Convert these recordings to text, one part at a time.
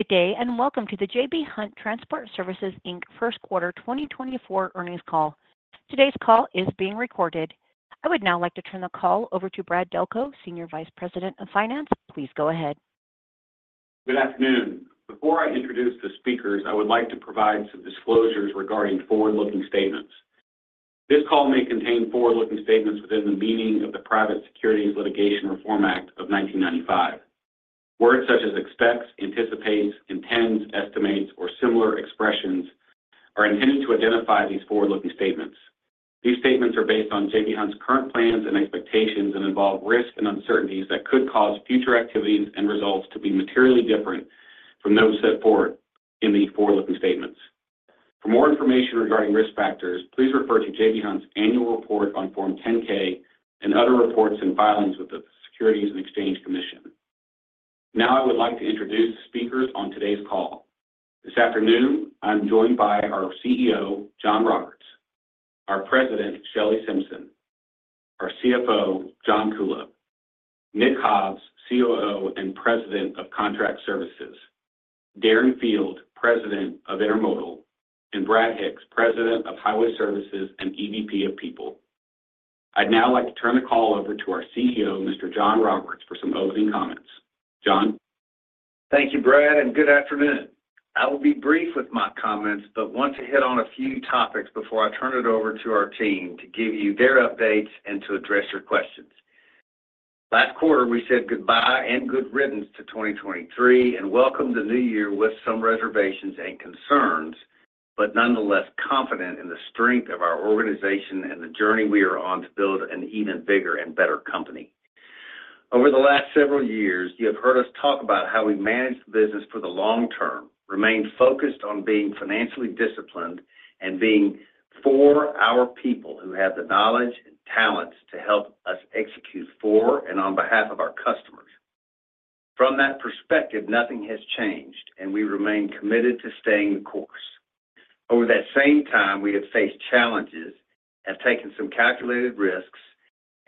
Good day, and welcome to the J.B. Hunt Transport Services Inc. First Quarter 2024 earnings call. Today's call is being recorded. I would now like to turn the call over to Brad Delco, Senior Vice President of Finance. Please go ahead. Good afternoon. Before I introduce the speakers, I would like to provide some disclosures regarding forward-looking statements. This call may contain forward-looking statements within the meaning of the Private Securities Litigation Reform Act of 1995. Words such as expects, anticipates, intends, estimates, or similar expressions are intended to identify these forward-looking statements. These statements are based on J.B. Hunt's current plans and expectations and involve risks and uncertainties that could cause future activities and results to be materially different from those set forward in these forward-looking statements. For more information regarding risk factors, please refer to J.B. Hunt's annual report on Form 10-K and other reports and filings with the Securities and Exchange Commission. Now, I would like to introduce the speakers on today's call. This afternoon, I'm joined by our CEO, John Roberts, our President, Shelley Simpson, our CFO, John Kuhlow, Nick Hobbs, COO and President of Contract Services, Darren Field, President of Intermodal, and Brad Hicks, President of Highway Services and EVP of People. I'd now like to turn the call over to our CEO, Mr. John Roberts, for some opening comments. John? Thank you, Brad, and good afternoon. I will be brief with my comments, but want to hit on a few topics before I turn it over to our team to give you their updates and to address your questions. Last quarter, we said goodbye and good riddance to 2023, and welcome the new year with some reservations and concerns, but nonetheless confident in the strength of our organization and the journey we are on to build an even bigger and better company. Over the last several years, you have heard us talk about how we managed the business for the long term, remained focused on being financially disciplined, and being for our people who have the knowledge and talents to help us execute for and on behalf of our customers. From that perspective, nothing has changed, and we remain committed to staying the course. Over that same time, we have faced challenges, have taken some calculated risks,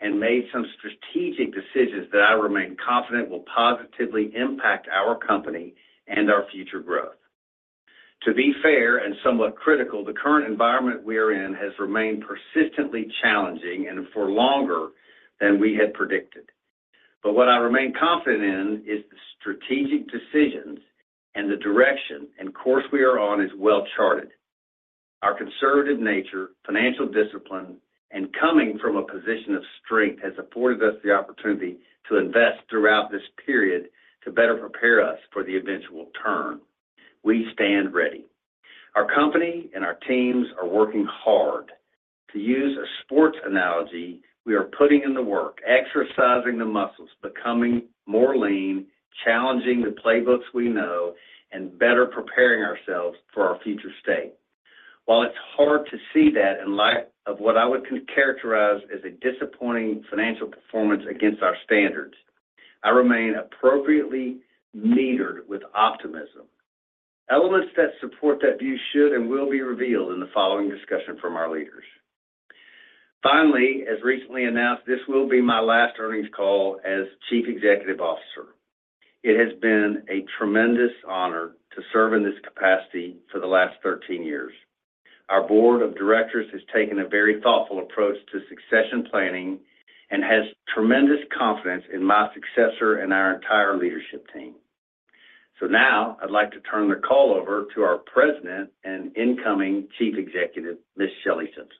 and made some strategic decisions that I remain confident will positively impact our company and our future growth. To be fair and somewhat critical, the current environment we are in has remained persistently challenging and for longer than we had predicted. But what I remain confident in is the strategic decisions and the direction and course we are on is well-charted. Our conservative nature, financial discipline, and coming from a position of strength has afforded us the opportunity to invest throughout this period to better prepare us for the eventual turn. We stand ready. Our company and our teams are working hard. To use a sports analogy, we are putting in the work, exercising the muscles, becoming more lean, challenging the playbooks we know, and better preparing ourselves for our future state. While it's hard to see that in light of what I would characterize as a disappointing financial performance against our standards, I remain appropriately tempered with optimism. Elements that support that view should and will be revealed in the following discussion from our leaders. Finally, as recently announced, this will be my last earnings call as Chief Executive Officer. It has been a tremendous honor to serve in this capacity for the last 13 years. Our board of directors has taken a very thoughtful approach to succession planning and has tremendous confidence in my successor and our entire leadership team. So now I'd like to turn the call over to our President and incoming Chief Executive, Ms. Shelley Simpson.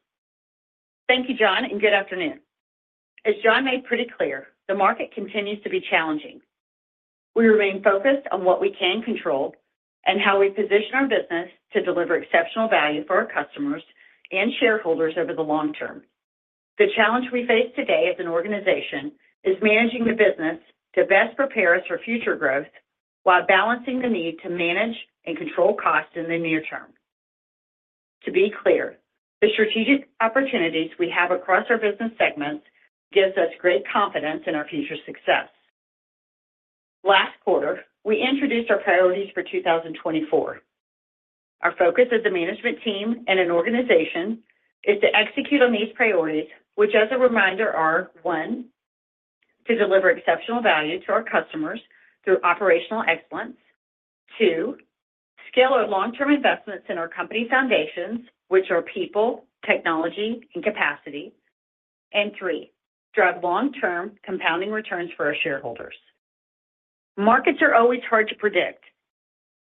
Thank you, John, and good afternoon. As John made pretty clear, the market continues to be challenging. We remain focused on what we can control and how we position our business to deliver exceptional value for our customers and shareholders over the long term. The challenge we face today as an organization is managing the business to best prepare us for future growth while balancing the need to manage and control costs in the near term. To be clear, the strategic opportunities we have across our business segments gives us great confidence in our future success. Last quarter, we introduced our priorities for 2024. Our focus as a management team and an organization is to execute on these priorities, which, as a reminder, are: one, to deliver exceptional value to our customers through operational excellence. Two, scale our long-term investments in our company foundations, which are people, technology, and capacity. And three, drive long-term compounding returns for our shareholders. Markets are always hard to predict,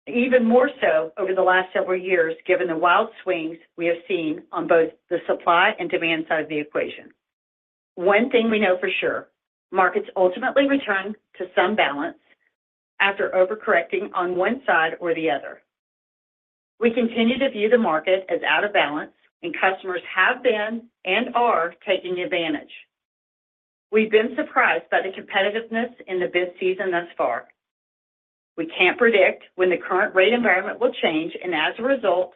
even more so over the last several years, given the wild swings we have seen on both the supply and demand side of the equation. One thing we know for sure, markets ultimately return to some balance after overcorrecting on one side or the other. We continue to view the market as out of balance, and customers have been and are taking advantage. We've been surprised by the competitiveness in the busy season thus far. We can't predict when the current rate environment will change, and as a result,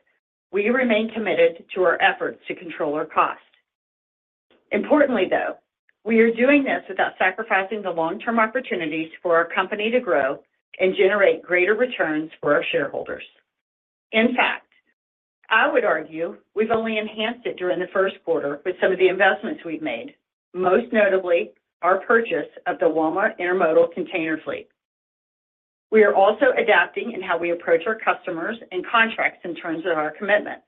we remain committed to our efforts to control our costs. Importantly, though, we are doing this without sacrificing the long-term opportunities for our company to grow and generate greater returns for our shareholders. In fact, I would argue we've only enhanced it during the first quarter with some of the investments we've made, most notably, our purchase of the Walmart intermodal container fleet. We are also adapting in how we approach our customers and contracts in terms of our commitment.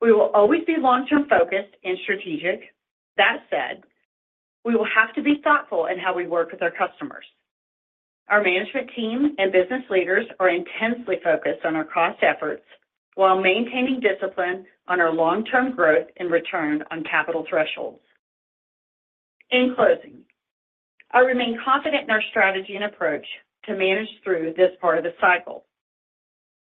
We will always be long-term focused and strategic. That said, we will have to be thoughtful in how we work with our customers. Our management team and business leaders are intensely focused on our cost efforts while maintaining discipline on our long-term growth and return on capital thresholds. In closing, I remain confident in our strategy and approach to manage through this part of the cycle.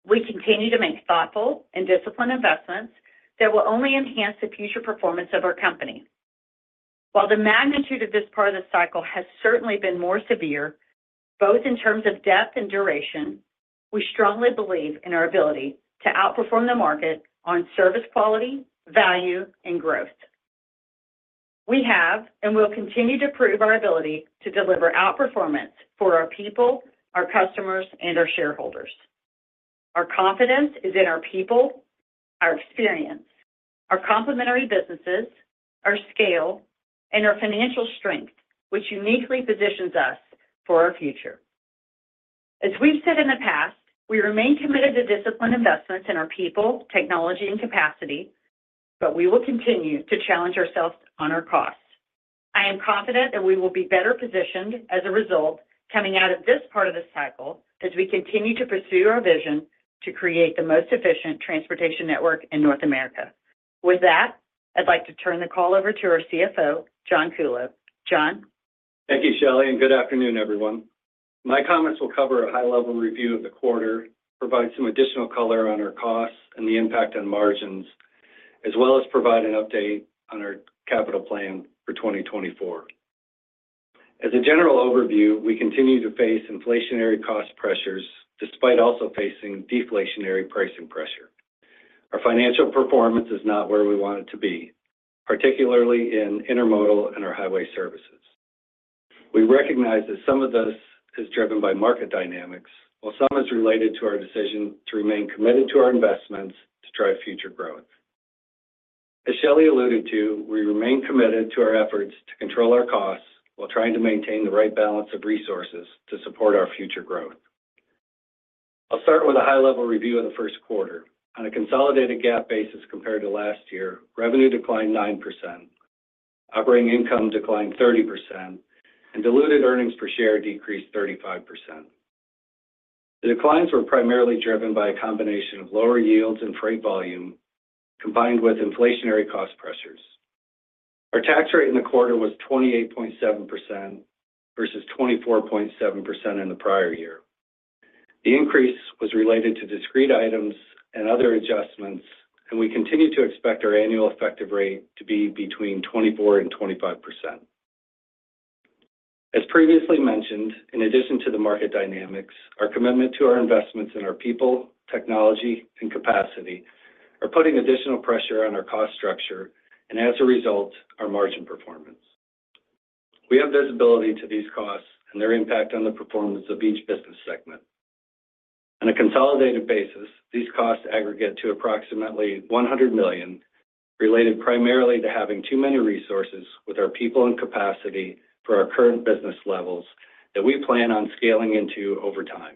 We continue to make thoughtful and disciplined investments that will only enhance the future performance of our company. While the magnitude of this part of the cycle has certainly been more severe, both in terms of depth and duration, we strongly believe in our ability to outperform the market on service, quality, value, and growth. We have, and will continue to prove our ability to deliver outperformance for our people, our customers, and our shareholders. Our confidence is in our people, our experience, our complementary businesses, our scale, and our financial strength, which uniquely positions us for our future. As we've said in the past, we remain committed to disciplined investments in our people, technology, and capacity, but we will continue to challenge ourselves on our costs. I am confident that we will be better positioned as a result, coming out of this part of this cycle, as we continue to pursue our vision to create the most efficient transportation network in North America. With that, I'd like to turn the call over to our CFO, John Kuhlow. John? Thank you, Shelley, and good afternoon, everyone. My comments will cover a high-level review of the quarter, provide some additional color on our costs and the impact on margins, as well as provide an update on our capital plan for 2024. As a general overview, we continue to face inflationary cost pressures, despite also facing deflationary pricing pressure. Our financial performance is not where we want it to be, particularly in intermodal and our highway services. We recognize that some of this is driven by market dynamics, while some is related to our decision to remain committed to our investments to drive future growth. As Shelley alluded to, we remain committed to our efforts to control our costs while trying to maintain the right balance of resources to support our future growth. I'll start with a high-level review of the first quarter. On a consolidated GAAP basis compared to last year, revenue declined 9%, operating income declined 30%, and diluted earnings per share decreased 35%. The declines were primarily driven by a combination of lower yields and freight volume, combined with inflationary cost pressures. Our tax rate in the quarter was 28.7% versus 24.7% in the prior year. The increase was related to discrete items and other adjustments, and we continue to expect our annual effective rate to be between 24%-25%. As previously mentioned, in addition to the market dynamics, our commitment to our investments in our people, technology, and capacity are putting additional pressure on our cost structure, and as a result, our margin performance. We have visibility to these costs and their impact on the performance of each business segment. On a consolidated basis, these costs aggregate to approximately $100 million, related primarily to having too many resources with our people and capacity for our current business levels that we plan on scaling into over time.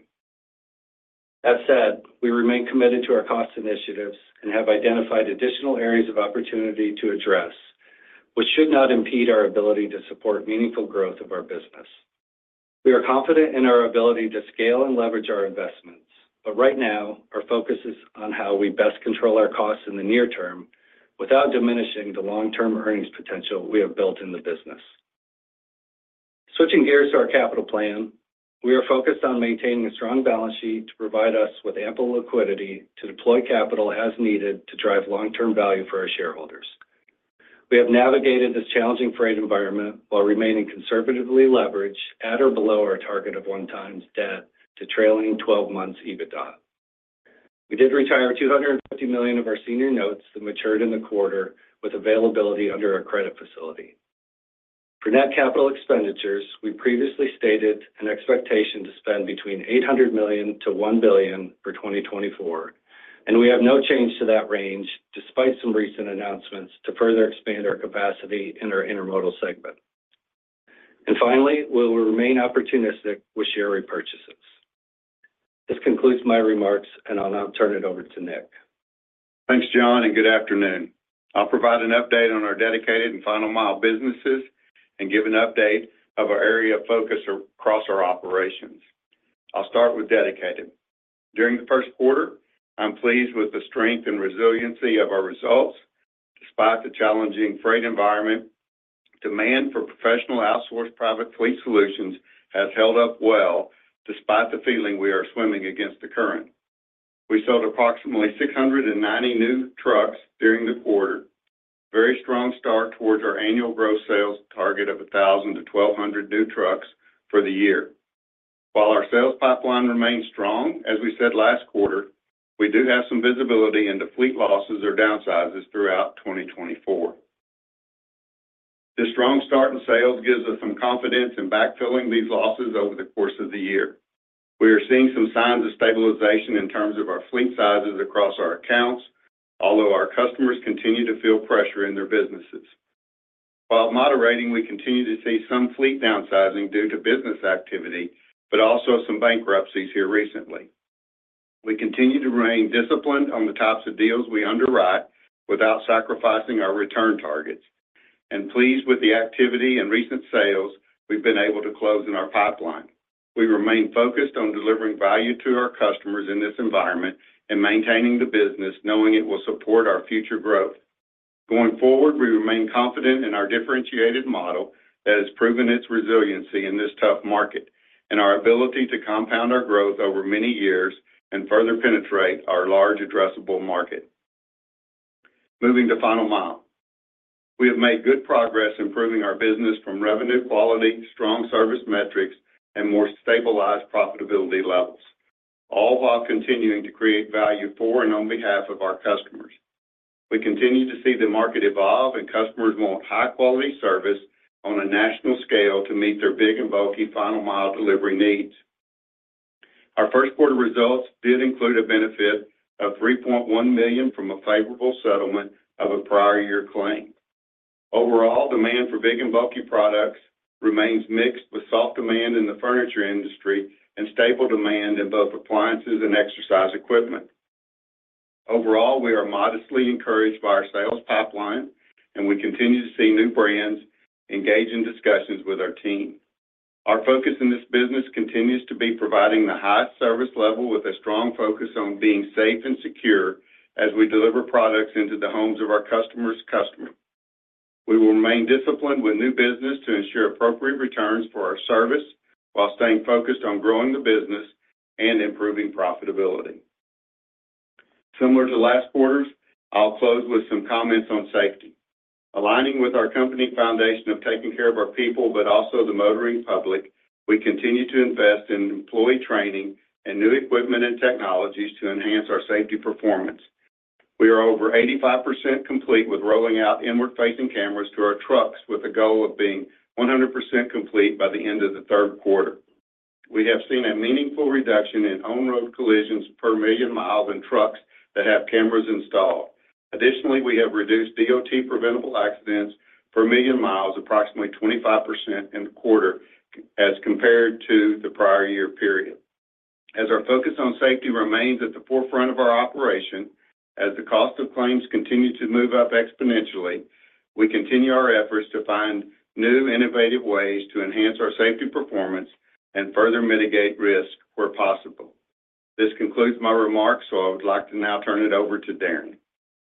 That said, we remain committed to our cost initiatives and have identified additional areas of opportunity to address, which should not impede our ability to support meaningful growth of our business. We are confident in our ability to scale and leverage our investments, but right now, our focus is on how we best control our costs in the near term without diminishing the long-term earnings potential we have built in the business. Switching gears to our capital plan, we are focused on maintaining a strong balance sheet to provide us with ample liquidity to deploy capital as needed to drive long-term value for our shareholders. We have navigated this challenging freight environment while remaining conservatively leveraged at or below our target of 1x debt to trailing twelve months EBITDA. We did retire $250 million of our senior notes that matured in the quarter with availability under our credit facility. For net capital expenditures, we previously stated an expectation to spend between $800 million-$1 billion for 2024, and we have no change to that range, despite some recent announcements to further expand our capacity in our intermodal segment. And finally, we will remain opportunistic with share repurchases. This concludes my remarks, and I'll now turn it over to Nick. Thanks, John, and good afternoon. I'll provide an update on our dedicated and final mile businesses and give an update of our area of focus across our operations. I'll start with Dedicated. During the first quarter, I'm pleased with the strength and resiliency of our results. Despite the challenging freight environment, demand for professional outsourced private fleet solutions has held up well, despite the feeling we are swimming against the current. We sold approximately 690 new trucks during the quarter. Very strong start towards our annual gross sales target of 1,000-1,200 new trucks for the year. While our sales pipeline remains strong, as we said last quarter, we do have some visibility into fleet losses or downsizes throughout 2024. The strong start in sales gives us some confidence in backfilling these losses over the course of the year. We are seeing some signs of stabilization in terms of our fleet sizes across our accounts, although our customers continue to feel pressure in their businesses. While moderating, we continue to see some fleet downsizing due to business activity, but also some bankruptcies here recently. We continue to remain disciplined on the types of deals we underwrite without sacrificing our return targets, and pleased with the activity and recent sales we've been able to close in our pipeline. We remain focused on delivering value to our customers in this environment and maintaining the business, knowing it will support our future growth. Going forward, we remain confident in our differentiated model that has proven its resiliency in this tough market, and our ability to compound our growth over many years and further penetrate our large addressable market. Moving to final mile. We have made good progress improving our business from revenue quality, strong service metrics, and more stabilized profitability levels, all while continuing to create value for and on behalf of our customers. We continue to see the market evolve, and customers want high-quality service on a national scale to meet their big and bulky final mile delivery needs. Our first quarter results did include a benefit of $3.1 million from a favorable settlement of a prior year claim. Overall, demand for big and bulky products remains mixed, with soft demand in the furniture industry and stable demand in both appliances and exercise equipment. Overall, we are modestly encouraged by our sales pipeline, and we continue to see new brands engage in discussions with our team. Our focus in this business continues to be providing the highest service level with a strong focus on being safe and secure as we deliver products into the homes of our customer's customer. We will remain disciplined with new business to ensure appropriate returns for our service, while staying focused on growing the business and improving profitability. Similar to last quarter's, I'll close with some comments on safety. Aligning with our company foundation of taking care of our people, but also the motoring public, we continue to invest in employee training and new equipment and technologies to enhance our safety performance. We are over 85% complete with rolling out inward-facing cameras to our trucks, with a goal of being 100% complete by the end of the third quarter. We have seen a meaningful reduction in on-road collisions per 1,000,000 miles in trucks that have cameras installed. Additionally, we have reduced DOT preventable accidents per million miles, approximately 25% in the quarter as compared to the prior year period. As our focus on safety remains at the forefront of our operation, as the cost of claims continue to move up exponentially, we continue our efforts to find new, innovative ways to enhance our safety performance and further mitigate risk where possible. This concludes my remarks, so I would like to now turn it over to Darren.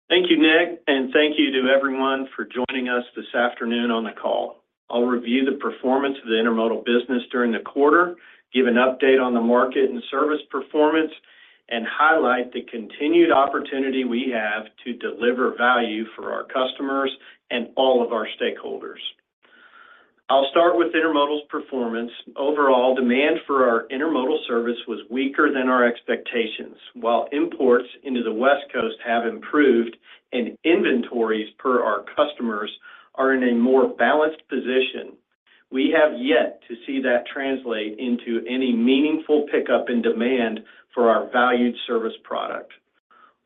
Thank you, Nick, and thank you to everyone for joining us this afternoon on the call. I'll review the performance of the intermodal business during the quarter, give an update on the market and service performance, and highlight the continued opportunity we have to deliver value for our customers and all of our stakeholders. I'll start with intermodal's performance. Overall, demand for our intermodal service was weaker than our expectations. While imports into the West Coast have improved and inventories per our customers are in a more balanced position, we have yet to see that translate into any meaningful pickup in demand for our valued service product.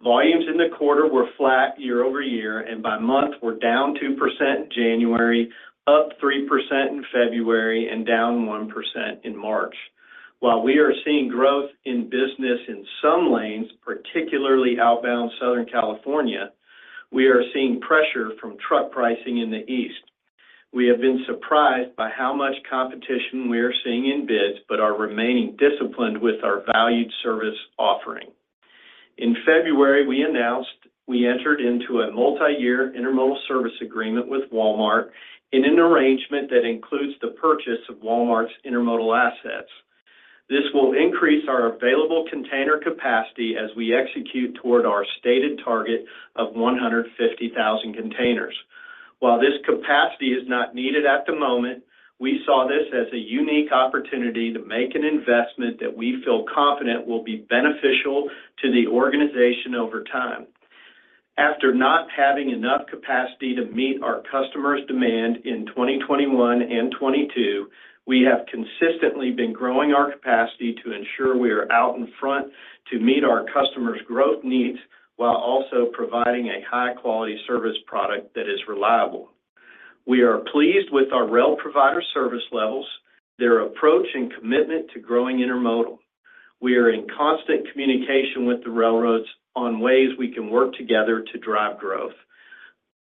Volumes in the quarter were flat year-over-year, and by month, were down 2% in January, up 3% in February, and down 1% in March. While we are seeing growth in business in some lanes, particularly outbound Southern California, we are seeing pressure from truck pricing in the East. We have been surprised by how much competition we are seeing in bids, but are remaining disciplined with our valued service offering. In February, we announced we entered into a multi-year intermodal service agreement with Walmart in an arrangement that includes the purchase of Walmart's intermodal assets. This will increase our available container capacity as we execute toward our stated target of 150,000 containers. While this capacity is not needed at the moment, we saw this as a unique opportunity to make an investment that we feel confident will be beneficial to the organization over time. After not having enough capacity to meet our customers' demand in 2021 and 2022, we have consistently been growing our capacity to ensure we are out in front to meet our customers' growth needs while also providing a high-quality service product that is reliable. We are pleased with our rail provider service levels, their approach and commitment to growing intermodal. We are in constant communication with the railroads on ways we can work together to drive growth.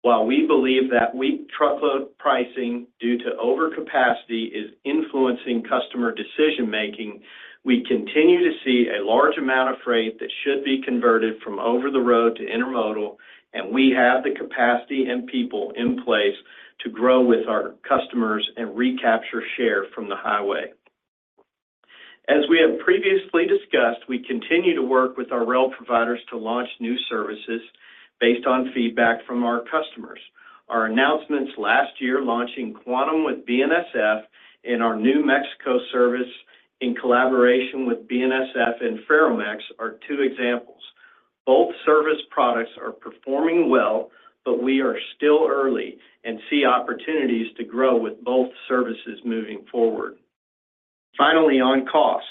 While we believe that weak truckload pricing due to overcapacity is influencing customer decision-making, we continue to see a large amount of freight that should be converted from over the road to intermodal, and we have the capacity and people in place to grow with our customers and recapture share from the highway. As we have previously discussed, we continue to work with our rail providers to launch new services based on feedback from our customers. Our announcements last year, launching Quantum with BNSF and our New Mexico service in collaboration with BNSF and Ferromex, are two examples. Both service products are performing well, but we are still early and see opportunities to grow with both services moving forward. Finally, on costs,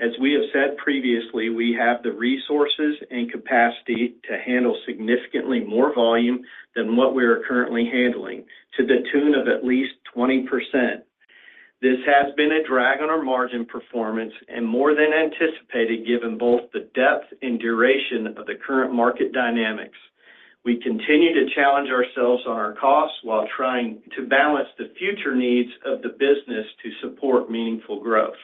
as we have said previously, we have the resources and capacity to handle significantly more volume than what we are currently handling, to the tune of at least 20%. This has been a drag on our margin performance and more than anticipated, given both the depth and duration of the current market dynamics. We continue to challenge ourselves on our costs while trying to balance the future needs of the business to support meaningful growth.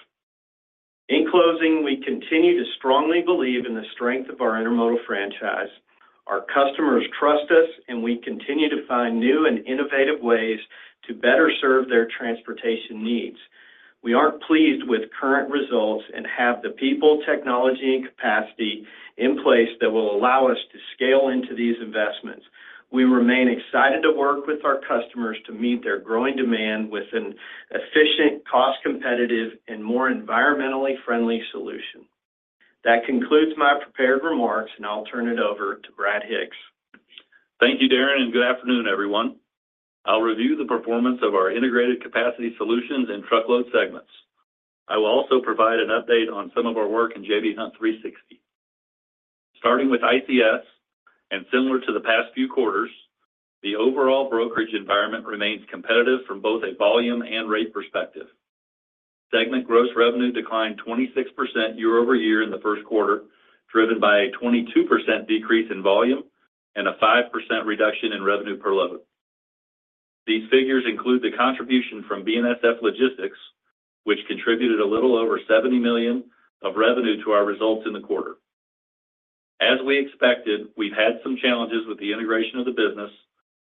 In closing, we continue to strongly believe in the strength of our intermodal franchise. Our customers trust us, and we continue to find new and innovative ways to better serve their transportation needs. We aren't pleased with current results and have the people, technology, and capacity in place that will allow us to scale into these investments. We remain excited to work with our customers to meet their growing demand with an efficient, cost-competitive, and more environmentally friendly solution. That concludes my prepared remarks, and I'll turn it over to Brad Hicks. Thank you, Darren, and good afternoon, everyone. I'll review the performance of our Integrated Capacity Solutions and Truckload segments. I will also provide an update on some of our work in J.B. Hunt 360. Starting with ICS, and similar to the past few quarters, the overall brokerage environment remains competitive from both a volume and rate perspective. Segment gross revenue declined 26% year-over-year in the first quarter, driven by a 22% decrease in volume and a 5% reduction in revenue per load. These figures include the contribution from BNSF Logistics, which contributed a little over $70 million of revenue to our results in the quarter. As we expected, we've had some challenges with the integration of the business,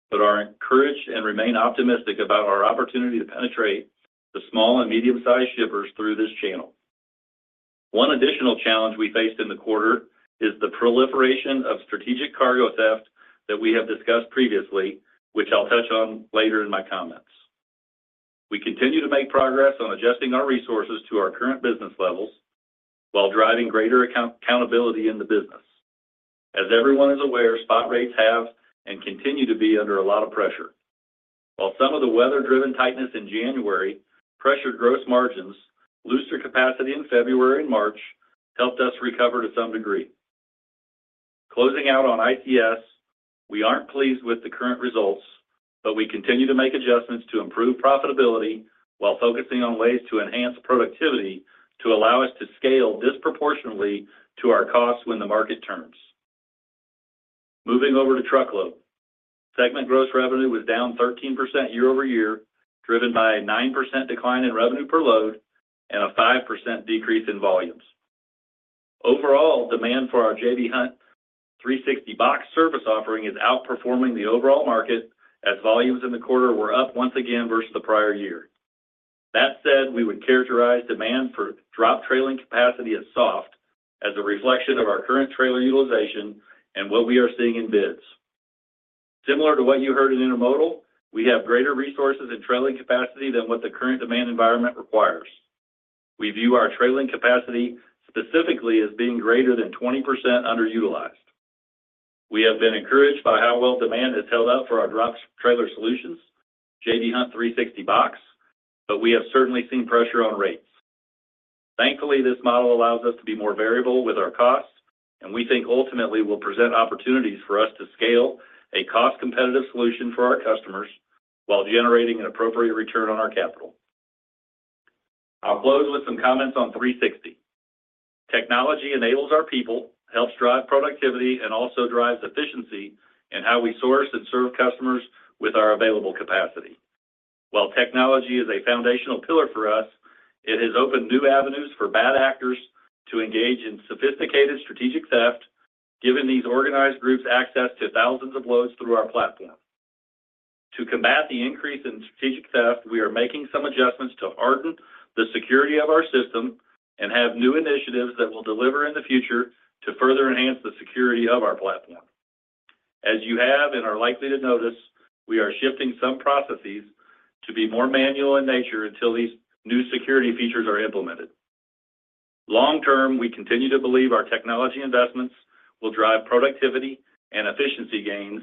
but are encouraged and remain optimistic about our opportunity to penetrate the small and medium-sized shippers through this channel. One additional challenge we faced in the quarter is the proliferation of strategic cargo theft that we have discussed previously, which I'll touch on later in my comments. We continue to make progress on adjusting our resources to our current business levels while driving greater accountability in the business. As everyone is aware, spot rates have and continue to be under a lot of pressure. While some of the weather-driven tightness in January pressured gross margins, looser capacity in February and March helped us recover to some degree. Closing out on ICS, we aren't pleased with the current results, but we continue to make adjustments to improve profitability while focusing on ways to enhance productivity to allow us to scale disproportionately to our costs when the market turns. Moving over to truckload. Segment gross revenue was down 13% year-over-year, driven by a 9% decline in revenue per load and a 5% decrease in volumes. Overall, demand for our J.B. Hunt 360box service offering is outperforming the overall market, as volumes in the quarter were up once again versus the prior year. That said, we would characterize demand for drop trailer capacity as soft, as a reflection of our current trailer utilization and what we are seeing in bids. Similar to what you heard in intermodal, we have greater resources in trailer capacity than what the current demand environment requires. We view our trailer capacity specifically as being greater than 20% underutilized. We have been encouraged by how well demand has held up for our drop trailer solutions, J.B. Hunt 360box, but we have certainly seen pressure on rates. Thankfully, this model allows us to be more variable with our costs, and we think ultimately will present opportunities for us to scale a cost-competitive solution for our customers while generating an appropriate return on our capital. I'll close with some comments on 360. Technology enables our people, helps drive productivity, and also drives efficiency in how we source and serve customers with our available capacity. While technology is a foundational pillar for us, it has opened new avenues for bad actors to engage in sophisticated strategic theft, giving these organized groups access to thousands of loads through our platform. To combat the increase in strategic theft, we are making some adjustments to harden the security of our system and have new initiatives that will deliver in the future to further enhance the security of our platform. As you have and are likely to notice, we are shifting some processes to be more manual in nature until these new security features are implemented. Long term, we continue to believe our technology investments will drive productivity and efficiency gains,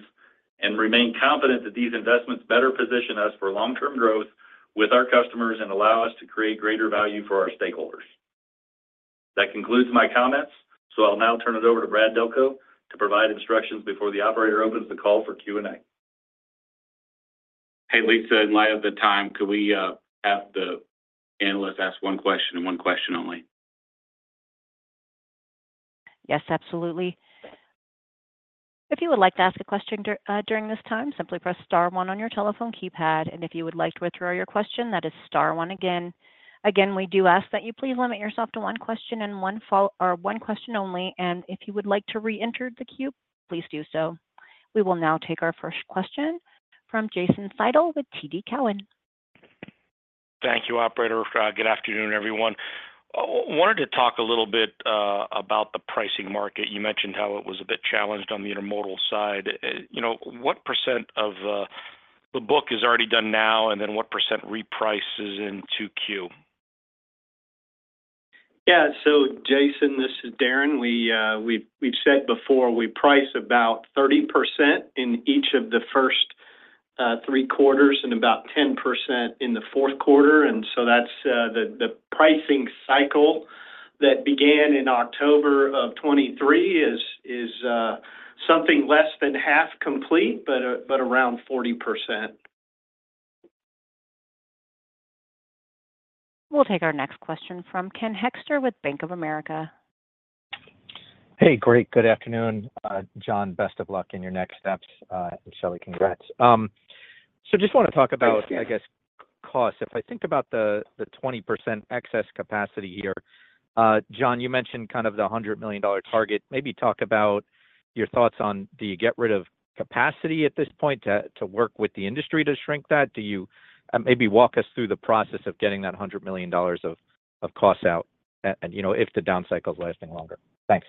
and remain confident that these investments better position us for long-term growth with our customers and allow us to create greater value for our stakeholders. That concludes my comments, so I'll now turn it over to Brad Delco to provide instructions before the operator opens the call for Q&A. Hey, Lisa, in light of the time, could we have the analyst ask one question and one question only? Yes, absolutely. If you would like to ask a question during this time, simply press star one on your telephone keypad, and if you would like to withdraw your question, that is star one again. Again, we do ask that you please limit yourself to one question only, and if you would like to reenter the queue, please do so. We will now take our first question from Jason Seidl with TD Cowen. Thank you, operator. Good afternoon, everyone. Wanted to talk a little bit about the pricing market. You mentioned how it was a bit challenged on the intermodal side. You know, what percent of the book is already done now, and then what percent reprices in 2Q? Yeah, so Jason, this is Darren. We've said before, we price about 30% in each of the first three quarters and about 10% in the fourth quarter. And so that's the pricing cycle that began in October of 2023 is something less than half complete, but around 40%. We'll take our next question from Ken Hoexter with Bank of America. Hey, great. Good afternoon, John. Best of luck in your next steps, and Shelley, congrats. So just wanna talk about, I guess, cost. If I think about the 20% excess capacity here, John, you mentioned kind of the $100 million target. Maybe talk about your thoughts on, do you get rid of capacity at this point to work with the industry to shrink that? Maybe walk us through the process of getting that $100 million of costs out, and, you know, if the down cycle is lasting longer. Thanks.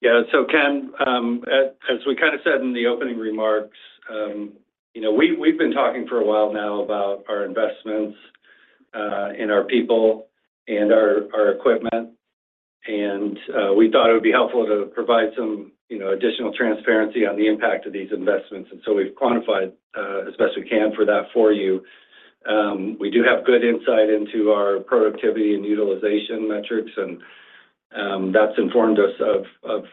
Yeah. So, Ken, as we kind of said in the opening remarks, you know, we've been talking for a while now about our investments in our people and our equipment, and we thought it would be helpful to provide some, you know, additional transparency on the impact of these investments. And so we've quantified, as best we can, for that for you. We do have good insight into our productivity and utilization metrics, and that's informed us of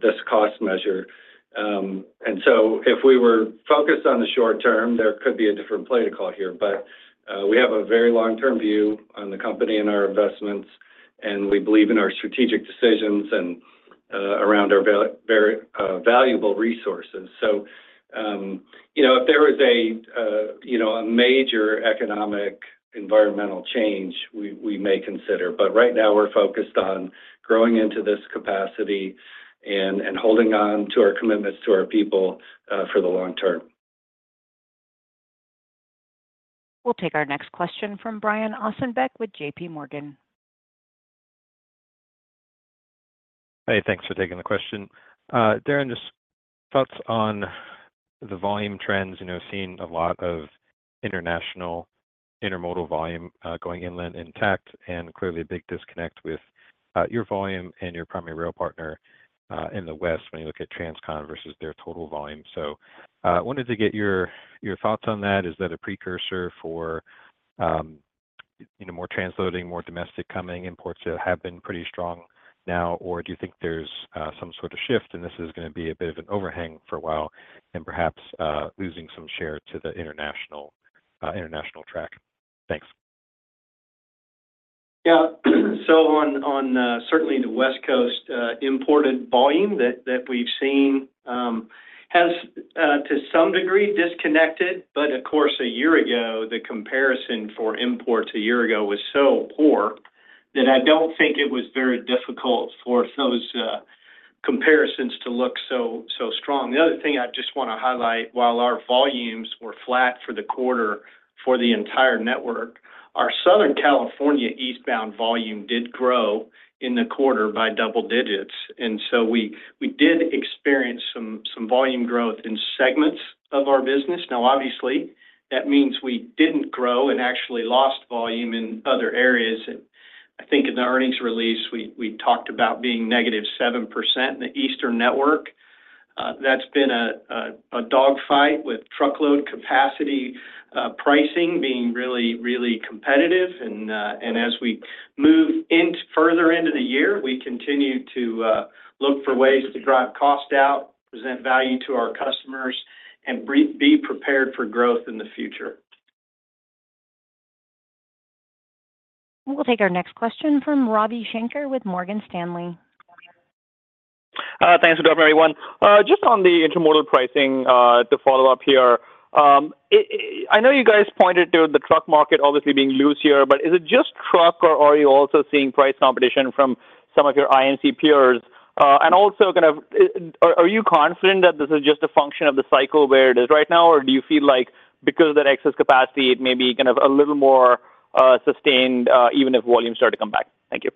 this cost measure. And so if we were focused on the short term, there could be a different play to call here, but we have a very long-term view on the company and our investments, and we believe in our strategic decisions and around our very valuable resources. You know, if there is a, you know, a major economic environmental change, we may consider. But right now, we're focused on growing into this capacity and holding on to our commitments to our people, for the long term. We'll take our next question from Brian Ossenbeck with JPMorgan. Hey, thanks for taking the question. Darren, just thoughts on the volume trends. You know, seeing a lot of international intermodal volume, going inland intact, and clearly a big disconnect with, your volume and your primary rail partner, in the West when you look at Transcon versus their total volume. So, wanted to get your thoughts on that. Is that a precursor for, you know, more transloading, more domestic coming, imports that have been pretty strong now? Or do you think there's, some sort of shift, and this is gonna be a bit of an overhang for a while and perhaps, losing some share to the international truck? Thanks. Yeah. So on, on, certainly the West Coast, imported volume that, that we've seen, has to some degree, disconnected. But of course, a year ago, the comparison for imports a year ago was so poor that I don't think it was very difficult for those comparisons to look so, so strong. The other thing I just wanna highlight, while our volumes were flat for the quarter for the entire network, our Southern California eastbound volume did grow in the quarter by double digits, and so we, we did experience some, some volume growth in segments of our business. Now, obviously, that means we didn't grow and actually lost volume in other areas. And I think in the earnings release, we, we talked about being negative 7% in the Eastern network. That's been a dogfight with truckload capacity, pricing being really, really competitive. And as we move further into the year, we continue to look for ways to drive cost out, present value to our customers, and be prepared for growth in the future. We'll take our next question from Ravi Shanker with Morgan Stanley. Thanks for joining everyone. Just on the intermodal pricing, to follow up here. I know you guys pointed to the truck market obviously being loose here, but is it just truck, or are you also seeing price competition from some of your IMC peers? And also kind of, are you confident that this is just a function of the cycle where it is right now? Or do you feel like because of that excess capacity, it may be kind of a little more sustained, even if volumes start to come back? Thank you.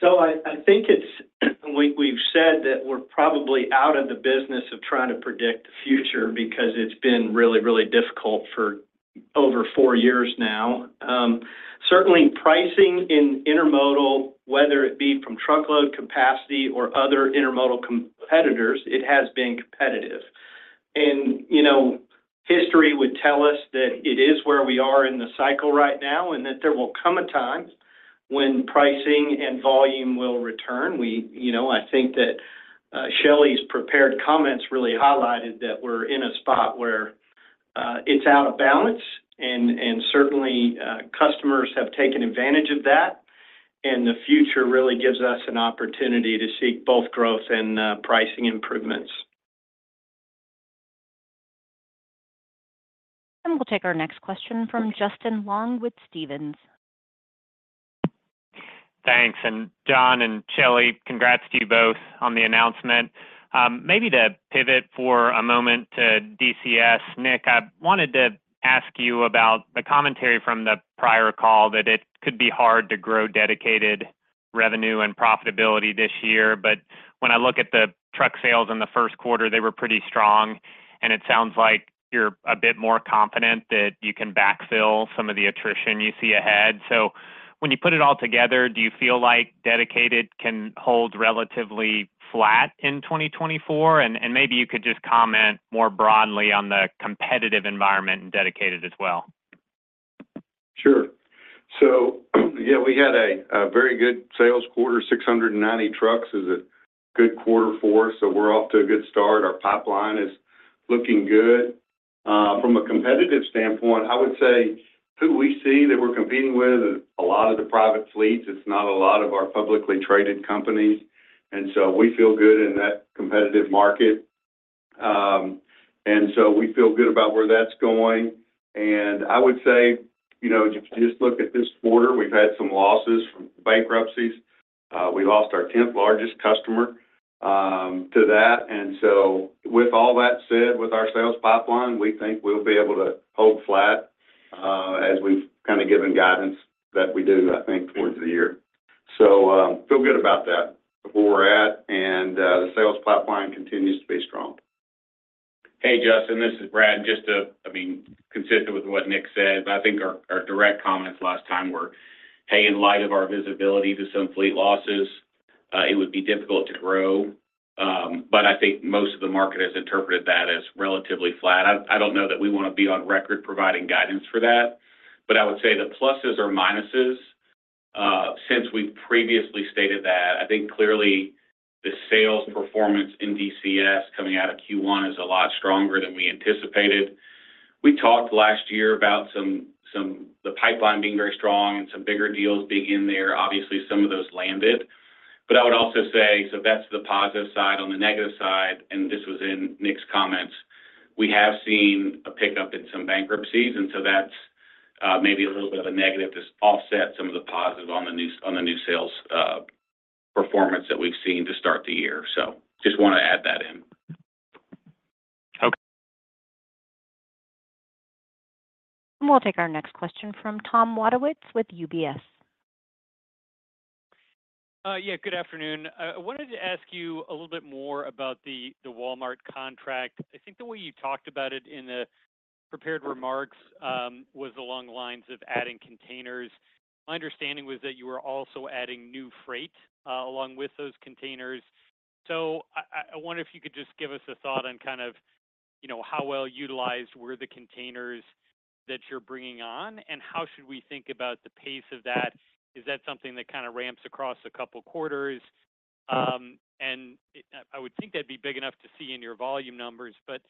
So I think it's, we've said that we're probably out of the business of trying to predict the future because it's been really, really difficult for over four years now. Certainly pricing in intermodal, whether it be from truckload capacity or other intermodal competitors, it has been competitive. And, you know, history would tell us that it is where we are in the cycle right now, and that there will come a time when pricing and volume will return. You know, I think that Shelley's prepared comments really highlighted that we're in a spot where it's out of balance, and certainly customers have taken advantage of that, and the future really gives us an opportunity to seek both growth and pricing improvements. We'll take our next question from Justin Long with Stephens. Thanks. And John and Shelley, congrats to you both on the announcement. Maybe to pivot for a moment to DCS. Nick, I wanted to ask you about the commentary from the prior call that it could be hard to grow dedicated revenue and profitability this year. But when I look at the truck sales in the first quarter, they were pretty strong, and it sounds like you're a bit more confident that you can backfill some of the attrition you see ahead. So when you put it all together, do you feel like dedicated can hold relatively flat in 2024? And maybe you could just comment more broadly on the competitive environment and dedicated as well. Sure. So, yeah, we had a very good sales quarter. 690 trucks is a good quarter for us, so we're off to a good start. Our pipeline is looking good. From a competitive standpoint, I would say who we see that we're competing with is a lot of the private fleets. It's not a lot of our publicly traded companies, and so we feel good in that competitive market. And so we feel good about where that's going. And I would say, you know, if you just look at this quarter, we've had some losses from bankruptcies. We lost our tenth largest customer to that, and so with all that said, with our sales pipeline, we think we'll be able to hold flat, as we've kind of given guidance that we do, I think, towards the year. Feel good about that, where we're at, and the sales pipeline continues to be strong. Hey, Justin, this is Brad. Just to, I mean, consistent with what Nick said, but I think our direct comments last time were, "Hey, in light of our visibility to some fleet losses, it would be difficult to grow." But I think most of the market has interpreted that as relatively flat. I don't know that we want to be on record providing guidance for that, but I would say the pluses or minuses since we've previously stated that, I think clearly the sales performance in DCS coming out of Q1 is a lot stronger than we anticipated. We talked last year about the pipeline being very strong and some bigger deals being in there. Obviously, some of those landed. But I would also say, so that's the positive side. On the negative side, and this was in Nick's comments, we have seen a pickup in some bankruptcies, and so that's, maybe a little bit of a negative to offset some of the positive on the new, on the new sales, performance that we've seen to start the year. So just want to add that in. Okay. We'll take our next question from Tom Wadewitz with UBS. Yeah, good afternoon. I wanted to ask you a little bit more about the Walmart contract. I think the way you talked about it in the prepared remarks was along the lines of adding containers. My understanding was that you were also adding new freight along with those containers. So I wonder if you could just give us a thought on kind of, you know, how well utilized were the containers that you're bringing on, and how should we think about the pace of that? Is that something that kind of ramps across a couple quarters? And I would think that'd be big enough to see in your volume numbers, but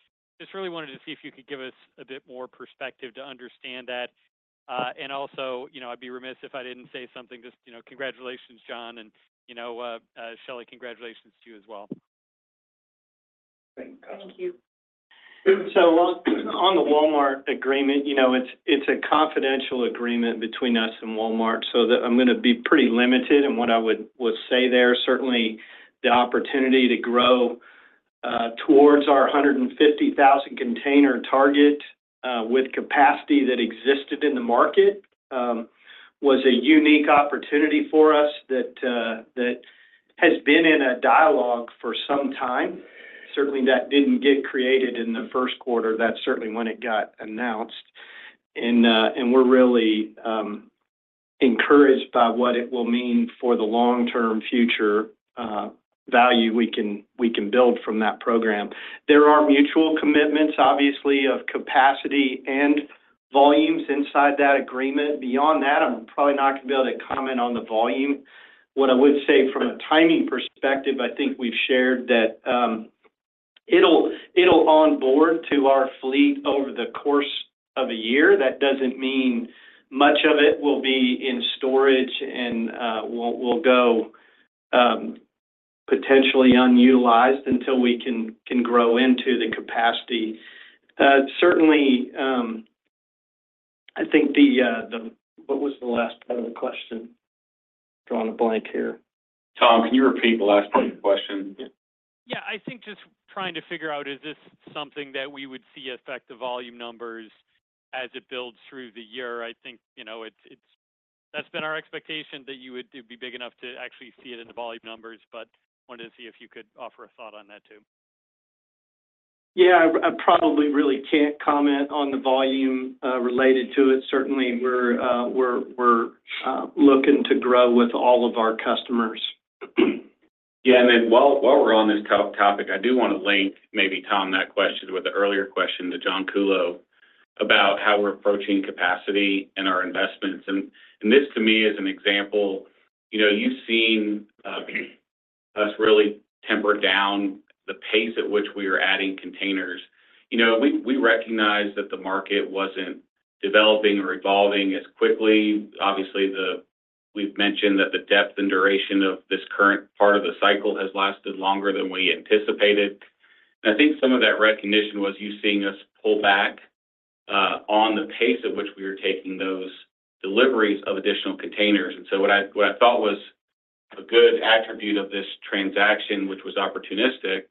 just really wanted to see if you could give us a bit more perspective to understand that. And also, you know, I'd be remiss if I didn't say something. Just, you know, congratulations, John, and, you know, Shelley, congratulations to you as well. Thank you. Thank you. So on the Walmart agreement, you know, it's a confidential agreement between us and Walmart, so I'm gonna be pretty limited in what I would say there. Certainly, the opportunity to grow towards our 150,000 container target with capacity that existed in the market was a unique opportunity for us that has been in a dialogue for some time. Certainly, that didn't get created in the first quarter. That's certainly when it got announced. And we're really encouraged by what it will mean for the long-term future value we can build from that program. There are mutual commitments, obviously, of capacity and volumes inside that agreement. Beyond that, I'm probably not going to be able to comment on the volume. What I would say from a timing perspective, I think we've shared that it'll onboard to our fleet over the course of a year. That doesn't mean much of it will be in storage and will go potentially unutilized until we can grow into the capacity. Certainly, I think the. What was the last part of the question? Drawing a blank here. Tom, can you repeat the last part of the question? Yeah. I think just trying to figure out, is this something that we would see affect the volume numbers as it builds through the year? I think, you know, it's that's been our expectation, that it'd be big enough to actually see it in the volume numbers, but wanted to see if you could offer a thought on that, too. Yeah, I probably really can't comment on the volume related to it. Certainly, we're looking to grow with all of our customers. Yeah, and then, while we're on this topic, I do want to link maybe, Tom, that question with the earlier question to John Kuhlow about how we're approaching capacity and our investments. And this, to me, is an example. You know, you've seen us really temper down the pace at which we are adding containers. You know, we recognized that the market wasn't developing or evolving as quickly. Obviously, we've mentioned that the depth and duration of this current part of the cycle has lasted longer than we anticipated. And I think some of that recognition was you seeing us pull back on the pace at which we were taking those deliveries of additional containers. And so what I thought was a good attribute of this transaction, which was opportunistic.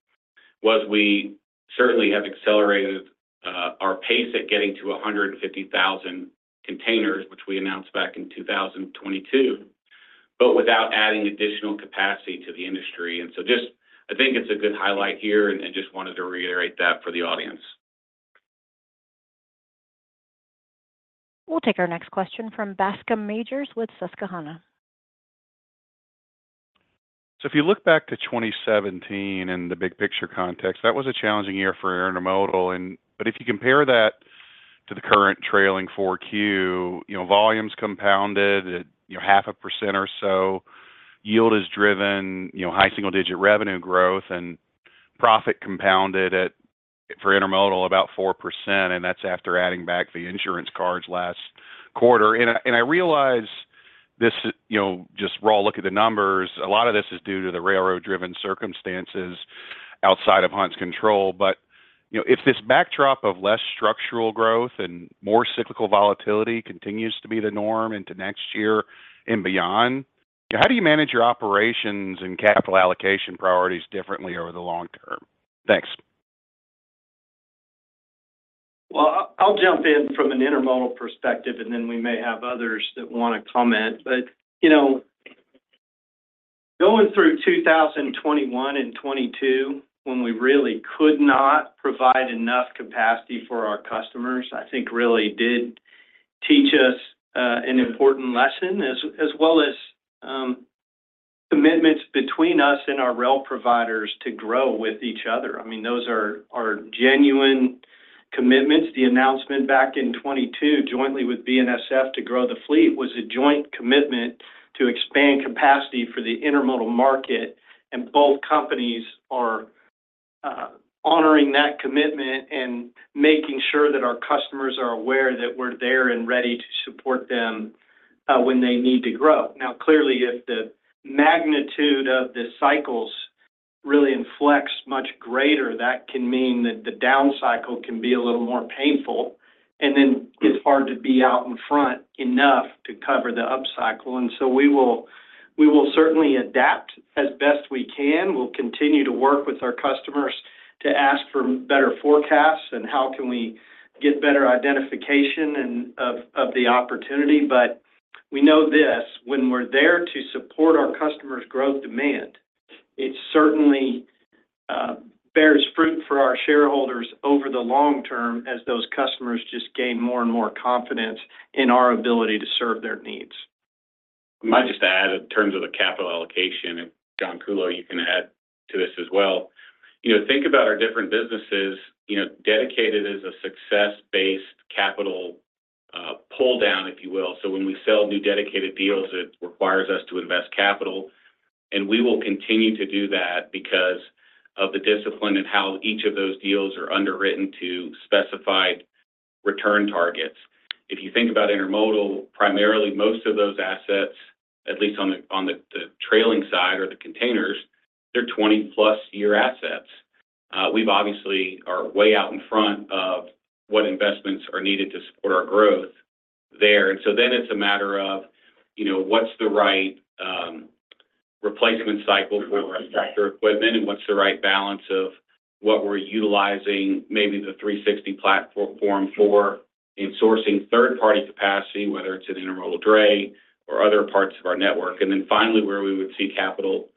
As we certainly have accelerated our pace at getting to 150,000 containers, which we announced back in 2022, but without adding additional capacity to the industry. And so just I think it's a good highlight here, and, and just wanted to reiterate that for the audience. We'll take our next question from Bascome Majors with Susquehanna. So if you look back to 2017 in the big picture context, that was a challenging year for intermodal. But if you compare that to the current trailing 4Q, you know, volumes compounded at, you know, 0.5% or so, yield is driven, you know, high single-digit revenue growth, and profit compounded at, for intermodal, about 4%, and that's after adding back the insurance costs last quarter. And I realize this is, you know, just raw look at the numbers. A lot of this is due to the railroad-driven circumstances outside of Hunt's control. But, you know, if this backdrop of less structural growth and more cyclical volatility continues to be the norm into next year and beyond, how do you manage your operations and capital allocation priorities differently over the long term? Thanks. Well, I'll jump in from an intermodal perspective, and then we may have others that want to comment. But, you know, going through 2021 and 2022, when we really could not provide enough capacity for our customers, I think really did teach us an important lesson, as well as commitments between us and our rail providers to grow with each other. I mean, those are our genuine commitments. The announcement back in 2022, jointly with BNSF to grow the fleet, was a joint commitment to expand capacity for the intermodal market, and both companies are honoring that commitment and making sure that our customers are aware that we're there and ready to support them when they need to grow. Now, clearly, if the magnitude of the cycles really inflects much greater, that can mean that the down cycle can be a little more painful, and then it's hard to be out in front enough to cover the upcycle. And so we will, we will certainly adapt as best we can. We'll continue to work with our customers to ask for better forecasts and how can we get better identification and of the opportunity. But we know this, when we're there to support our customers' growth demand, it certainly bears fruit for our shareholders over the long term as those customers just gain more and more confidence in our ability to serve their needs. I might just add in terms of the capital allocation, and John Kuhlow, you can add to this as well. You know, think about our different businesses. You know, dedicated is a success-based capital pull down, if you will. So when we sell new dedicated deals, it requires us to invest capital, and we will continue to do that because of the discipline and how each of those deals are underwritten to specified return targets. If you think about intermodal, primarily, most of those assets, at least on the trailing side or the containers, they're 20+year assets. We've obviously are way out in front of what investments are needed to support our growth there. And so then it's a matter of, you know, what's the right replacement cycle for equipment and what's the right balance of what we're utilizing, maybe the 360 platform for insourcing third-party capacity, whether it's an intermodal dray or other parts of our network. And then finally, where we would see capital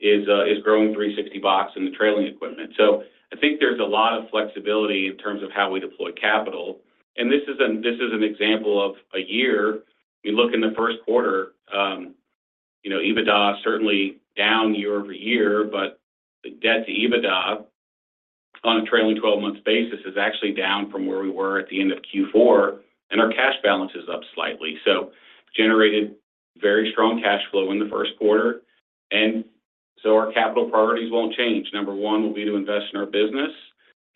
is growing 360box and the trailer equipment. So I think there's a lot of flexibility in terms of how we deploy capital, and this is an, this is an example of a year. You look in the first quarter, you know, EBITDA certainly down year-over-year, but the debt to EBITDA on a trailing twelve-month basis is actually down from where we were at the end of Q4, and our cash balance is up slightly. So generated very strong cash flow in the first quarter, and so our capital priorities won't change. Number one will be to invest in our business.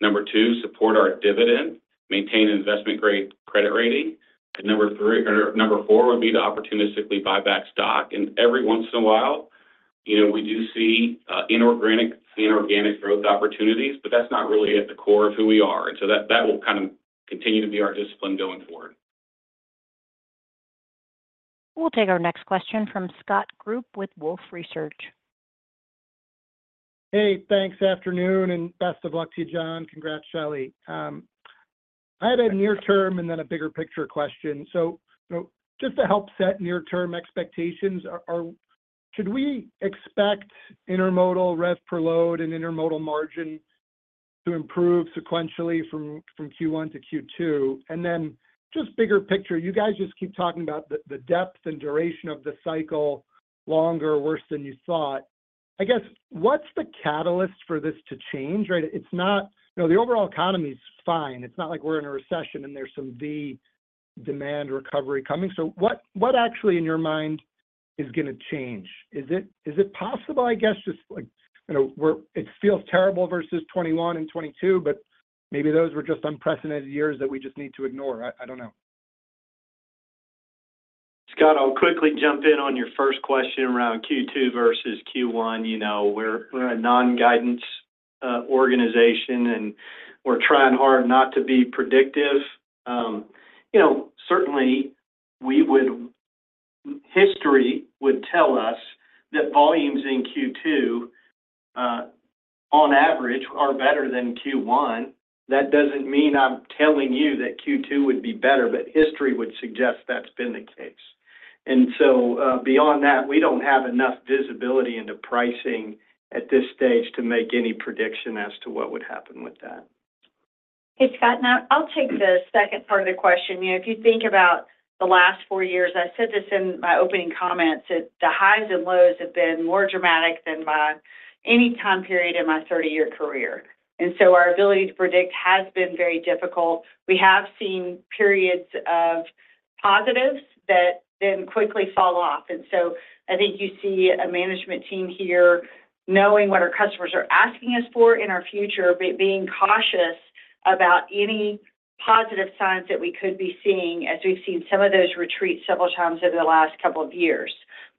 Number two, support our dividend, maintain investment-grade credit rating. And number three—or number four would be to opportunistically buy back stock. And every once in a while, you know, we do see, inorganic, inorganic growth opportunities, but that's not really at the core of who we are. And so that, that will kind of continue to be our discipline going forward. We'll take our next question from Scott Group with Wolfe Research. Hey, thanks, afternoon, and best of luck to you, John. Congrats, Shelley. I had a near-term and then a bigger picture question. So just to help set near-term expectations, are—should we expect intermodal rev per load and intermodal margin to improve sequentially from Q1 to Q2? And then just bigger picture, you guys just keep talking about the depth and duration of the cycle, longer, worse than you thought. I guess, what's the catalyst for this to change, right? It's not. You know, the overall economy is fine. It's not like we're in a recession, and there's some V demand recovery coming. So what actually, in your mind, is going to change? Is it possible, I guess, just like, you know, it feels terrible versus 2021 and 2022, but maybe those were just unprecedented years that we just need to ignore. I don't know. Scott, I'll quickly jump in on your first question around Q2 versus Q1. You know, we're a non-guidance organization, and we're trying hard not to be predictive. You know, certainly History would tell us that volumes in Q2, on average, are better than Q1. That doesn't mean I'm telling you that Q2 would be better, but history would suggest that's been the case. And so, beyond that, we don't have enough visibility into pricing at this stage to make any prediction as to what would happen with that. Hey, Scott, now, I'll take the second part of the question. You know, if you think about the last four years, I said this in my opening comments, that the highs and lows have been more dramatic than by any time period in my thirty-year career, and so our ability to predict has been very difficult. We have seen periods of positives that then quickly fall off, and so I think you see a management team here knowing what our customers are asking us for in our future, but being cautious about any positive signs that we could be seeing, as we've seen some of those retreat several times over the last couple of years.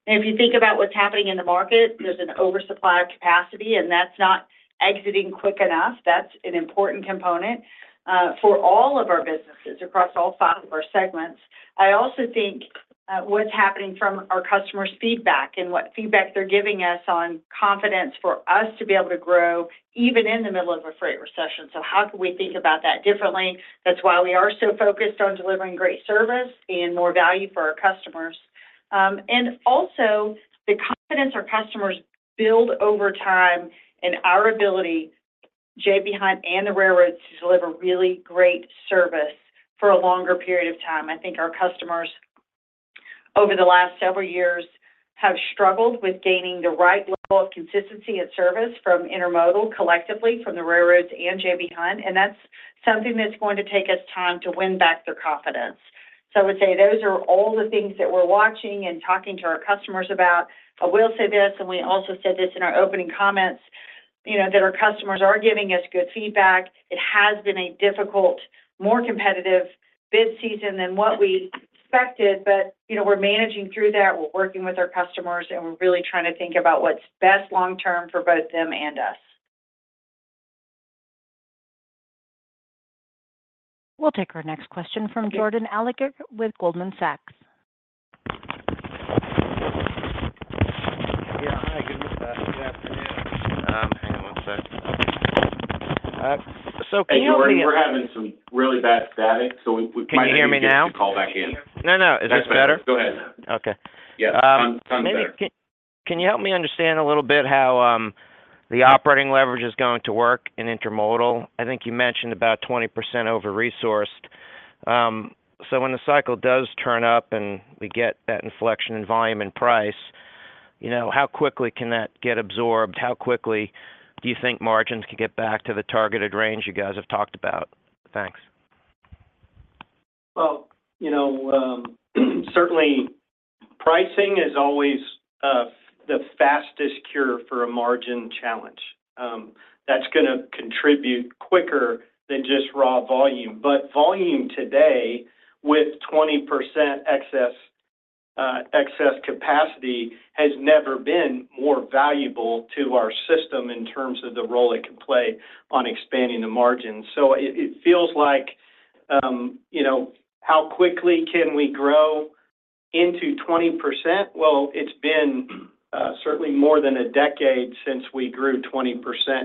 If you think about what's happening in the market, there's an oversupply of capacity, and that's not exiting quick enough. That's an important component for all of our businesses across all five of our segments. I also think what's happening from our customers' feedback and what feedback they're giving us on confidence for us to be able to grow, even in the middle of a freight recession. So how can we think about that differently? That's why we are so focused on delivering great service and more value for our customers. And also, the confidence our customers build over time and our ability, J.B. Hunt and the railroads, to deliver really great service for a longer period of time. I think our customers, over the last several years, have struggled with gaining the right level of consistency and service from intermodal, collectively, from the railroads and J.B. Hunt, and that's something that's going to take us time to win back their confidence. So I would say those are all the things that we're watching and talking to our customers about. I will say this, and we also said this in our opening comments, you know, that our customers are giving us good feedback. It has been a difficult, more competitive bid season than what we expected, but, you know, we're managing through that. We're working with our customers, and we're really trying to think about what's best long term for both them and us. We'll take our next question from Jordan Alliger with Goldman Sachs. Yeah, hi, good afternoon. Hang on one sec. So can you- Hey, Jordan, we're having some really bad static, so we might need you- Can you hear me now? to call back in. No, no. Is this better? Go ahead. Okay. Yeah. Sounds better. Can you help me understand a little bit how the operating leverage is going to work in intermodal? I think you mentioned about 20% over-resourced. So when the cycle does turn up and we get that inflection in volume and price, you know, how quickly can that get absorbed? How quickly do you think margins could get back to the targeted range you guys have talked about? Thanks. Well, you know, certainly pricing is always the fastest cure for a margin challenge. That's gonna contribute quicker than just raw volume. But volume today, with 20% excess capacity, has never been more valuable to our system in terms of the role it can play on expanding the margin. So it feels like, you know, how quickly can we grow into 20%? Well, it's been certainly more than a decade since we grew 20%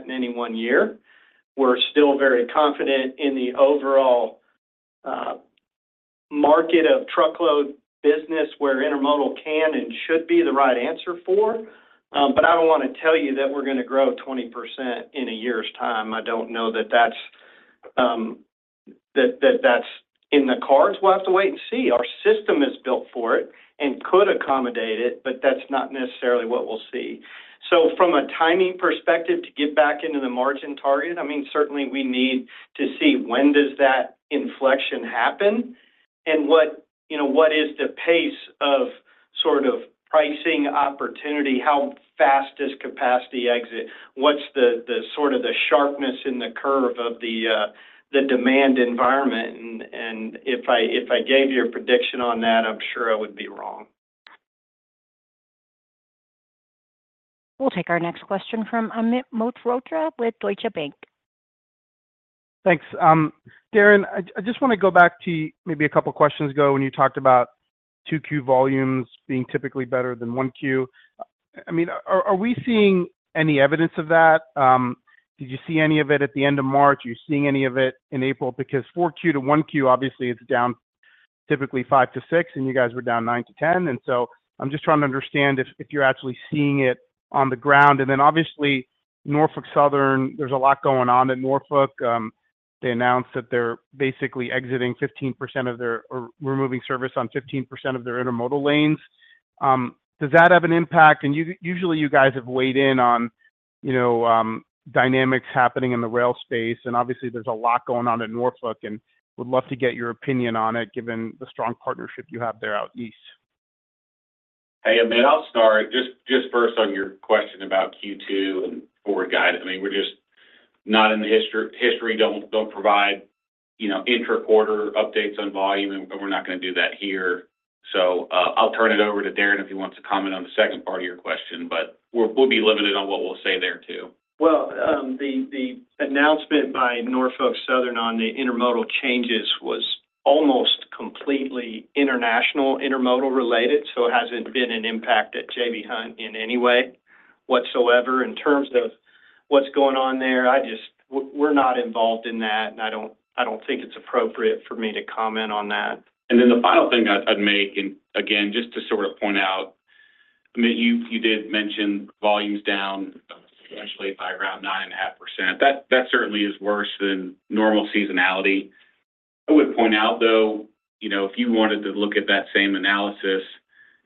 in any one year. We're still very confident in the overall market of truckload business, where intermodal can and should be the right answer for. But I don't want to tell you that we're gonna grow 20% in a year's time. I don't know that that's in the cards. We'll have to wait and see. Our system is built for it and could accommodate it, but that's not necessarily what we'll see. So from a timing perspective, to get back into the margin target, I mean, certainly we need to see when does that inflection happen and what, you know, what is the pace of sort of pricing opportunity? How fast does capacity exit? What's the sort of sharpness in the curve of the demand environment? And if I gave you a prediction on that, I'm sure I would be wrong. We'll take our next question from Amit Mehrotra with Deutsche Bank. Thanks. Darren, I just want to go back to maybe a couple questions ago when you talked about 2Q volumes being typically better than 1Q. I mean, are we seeing any evidence of that? Did you see any of it at the end of March? Are you seeing any of it in April? Because 4Q to 1Q, obviously, it's down typically 5%-6%, and you guys were down 9%-10%, and so I'm just trying to understand if you're actually seeing it on the ground. Then, obviously, Norfolk Southern, there's a lot going on at Norfolk. They announced that they're basically exiting 15% of their or removing service on 15% of their intermodal lanes. Does that have an impact? Usually, you guys have weighed in on, you know, dynamics happening in the rail space, and obviously, there's a lot going on at Norfolk, and would love to get your opinion on it, given the strong partnership you have there out east. Hey, Amit, I'll start. Just, just first on your question about Q2 and forward guidance. I mean, we're just not in the history-history don't, don't provide, you know, intraquarter updates on volume, and we're not gonna do that here. So, I'll turn it over to Darren if he wants to comment on the second part of your question, but we'll, we'll be limited on what we'll say there, too. Well, the announcement by Norfolk Southern on the intermodal changes was almost completely international intermodal related, so it hasn't been an impact at J.B. Hunt in any way whatsoever in terms of what's going on there. I just, we're not involved in that, and I don't think it's appropriate for me to comment on that. And then the final thing I'd make, and again, just to sort of point out, I mean, you did mention volumes down essentially by around 9.5%. That certainly is worse than normal seasonality. I would point out, though, you know, if you wanted to look at that same analysis,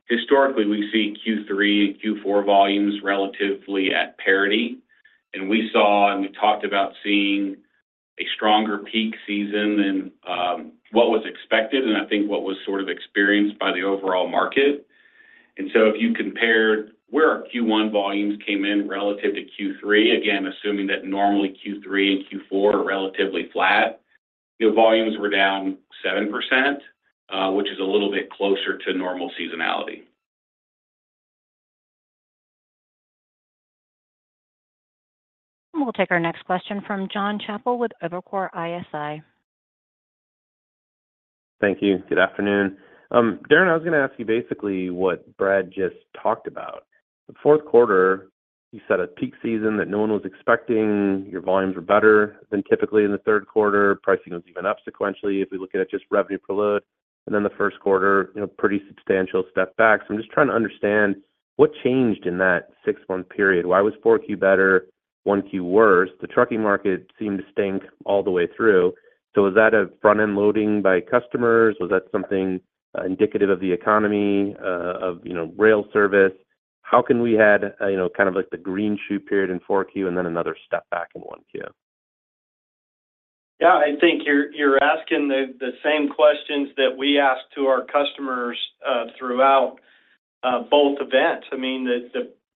historically, we see Q3 and Q4 volumes relatively at parity. And we saw, and we talked about seeing a stronger peak season than what was expected, and I think what was sort of experienced by the overall market. And so if you compared where our Q1 volumes came in relative to Q3, again, assuming that normally Q3 and Q4 are relatively flat, the volumes were down 7%, which is a little bit closer to normal seasonality. We'll take our next question from Jon Chappell with Evercore ISI. Thank you. Good afternoon. Darren, I was gonna ask you basically what Brad just talked about. The fourth quarter, you said, a peak season that no one was expecting. Your volumes were better than typically in the third quarter. Pricing was even up sequentially, if we look at it just revenue per load. And then the first quarter, you know, pretty substantial step back. So I'm just trying to understand what changed in that six-month period. Why was 4Q better, 1Q worse? The trucking market seemed to stink all the way through. So was that a front-end loading by customers? Was that something indicative of the economy, of, you know, rail service? How come we had, you know, kind of like the green shoot period in 4Q and then another step back in 1Q? Yeah, I think you're asking the same questions that we asked to our customers throughout both events. I mean,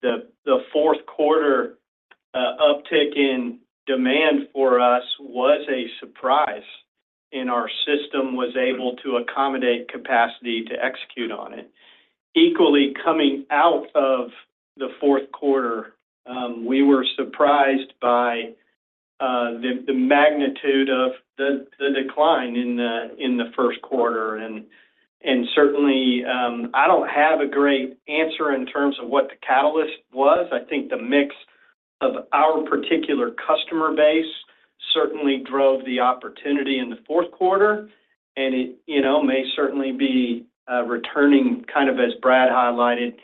the fourth quarter uptick in demand for us was a surprise, and our system was able to accommodate capacity to execute on it. Equally, coming out of the fourth quarter, we were surprised by the magnitude of the decline in the first quarter. And certainly, I don't have a great answer in terms of what the catalyst was. I think the mix of our particular customer base certainly drove the opportunity in the fourth quarter, and it, you know, may certainly be returning, kind of as Brad highlighted.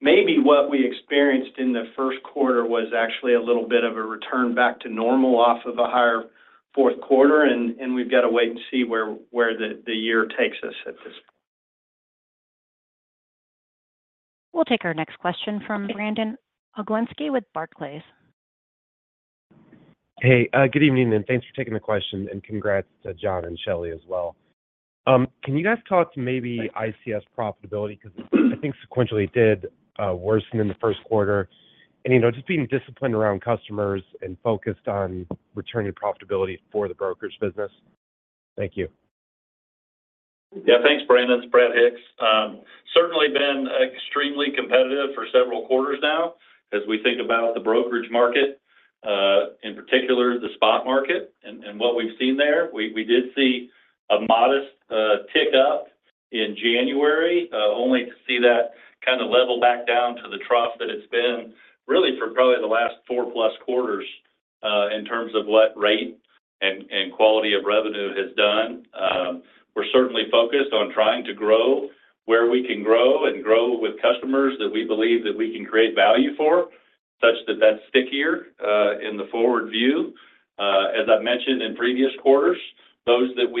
Maybe what we experienced in the first quarter was actually a little bit of a return back to normal off of a higher fourth quarter, and we've got to wait and see where the year takes us at this point. We'll take our next question from Brandon Oglenski with Barclays. Hey, good evening, and thanks for taking the question, and congrats to John and Shelley as well. Can you guys talk to maybe ICS profitability? 'Cause I think sequentially, it did, worsen in the first quarter. You know, just being disciplined around customers and focused on returning profitability for the brokerage business. Thank you. Yeah, thanks, Brandon. It's Brad Hicks. Certainly been extremely competitive for several quarters now as we think about the brokerage market, in particular, the spot market and what we've seen there. We did see a modest tick up in January, only to see that kind of level back down to the trough that it's been really for probably the last four-plus quarters, in terms of what rate and quality of revenue has done. We're certainly focused on trying to grow where we can grow and grow with customers that we believe that we can create value for, such that that's stickier, in the forward view. As I've mentioned in previous quarters, those that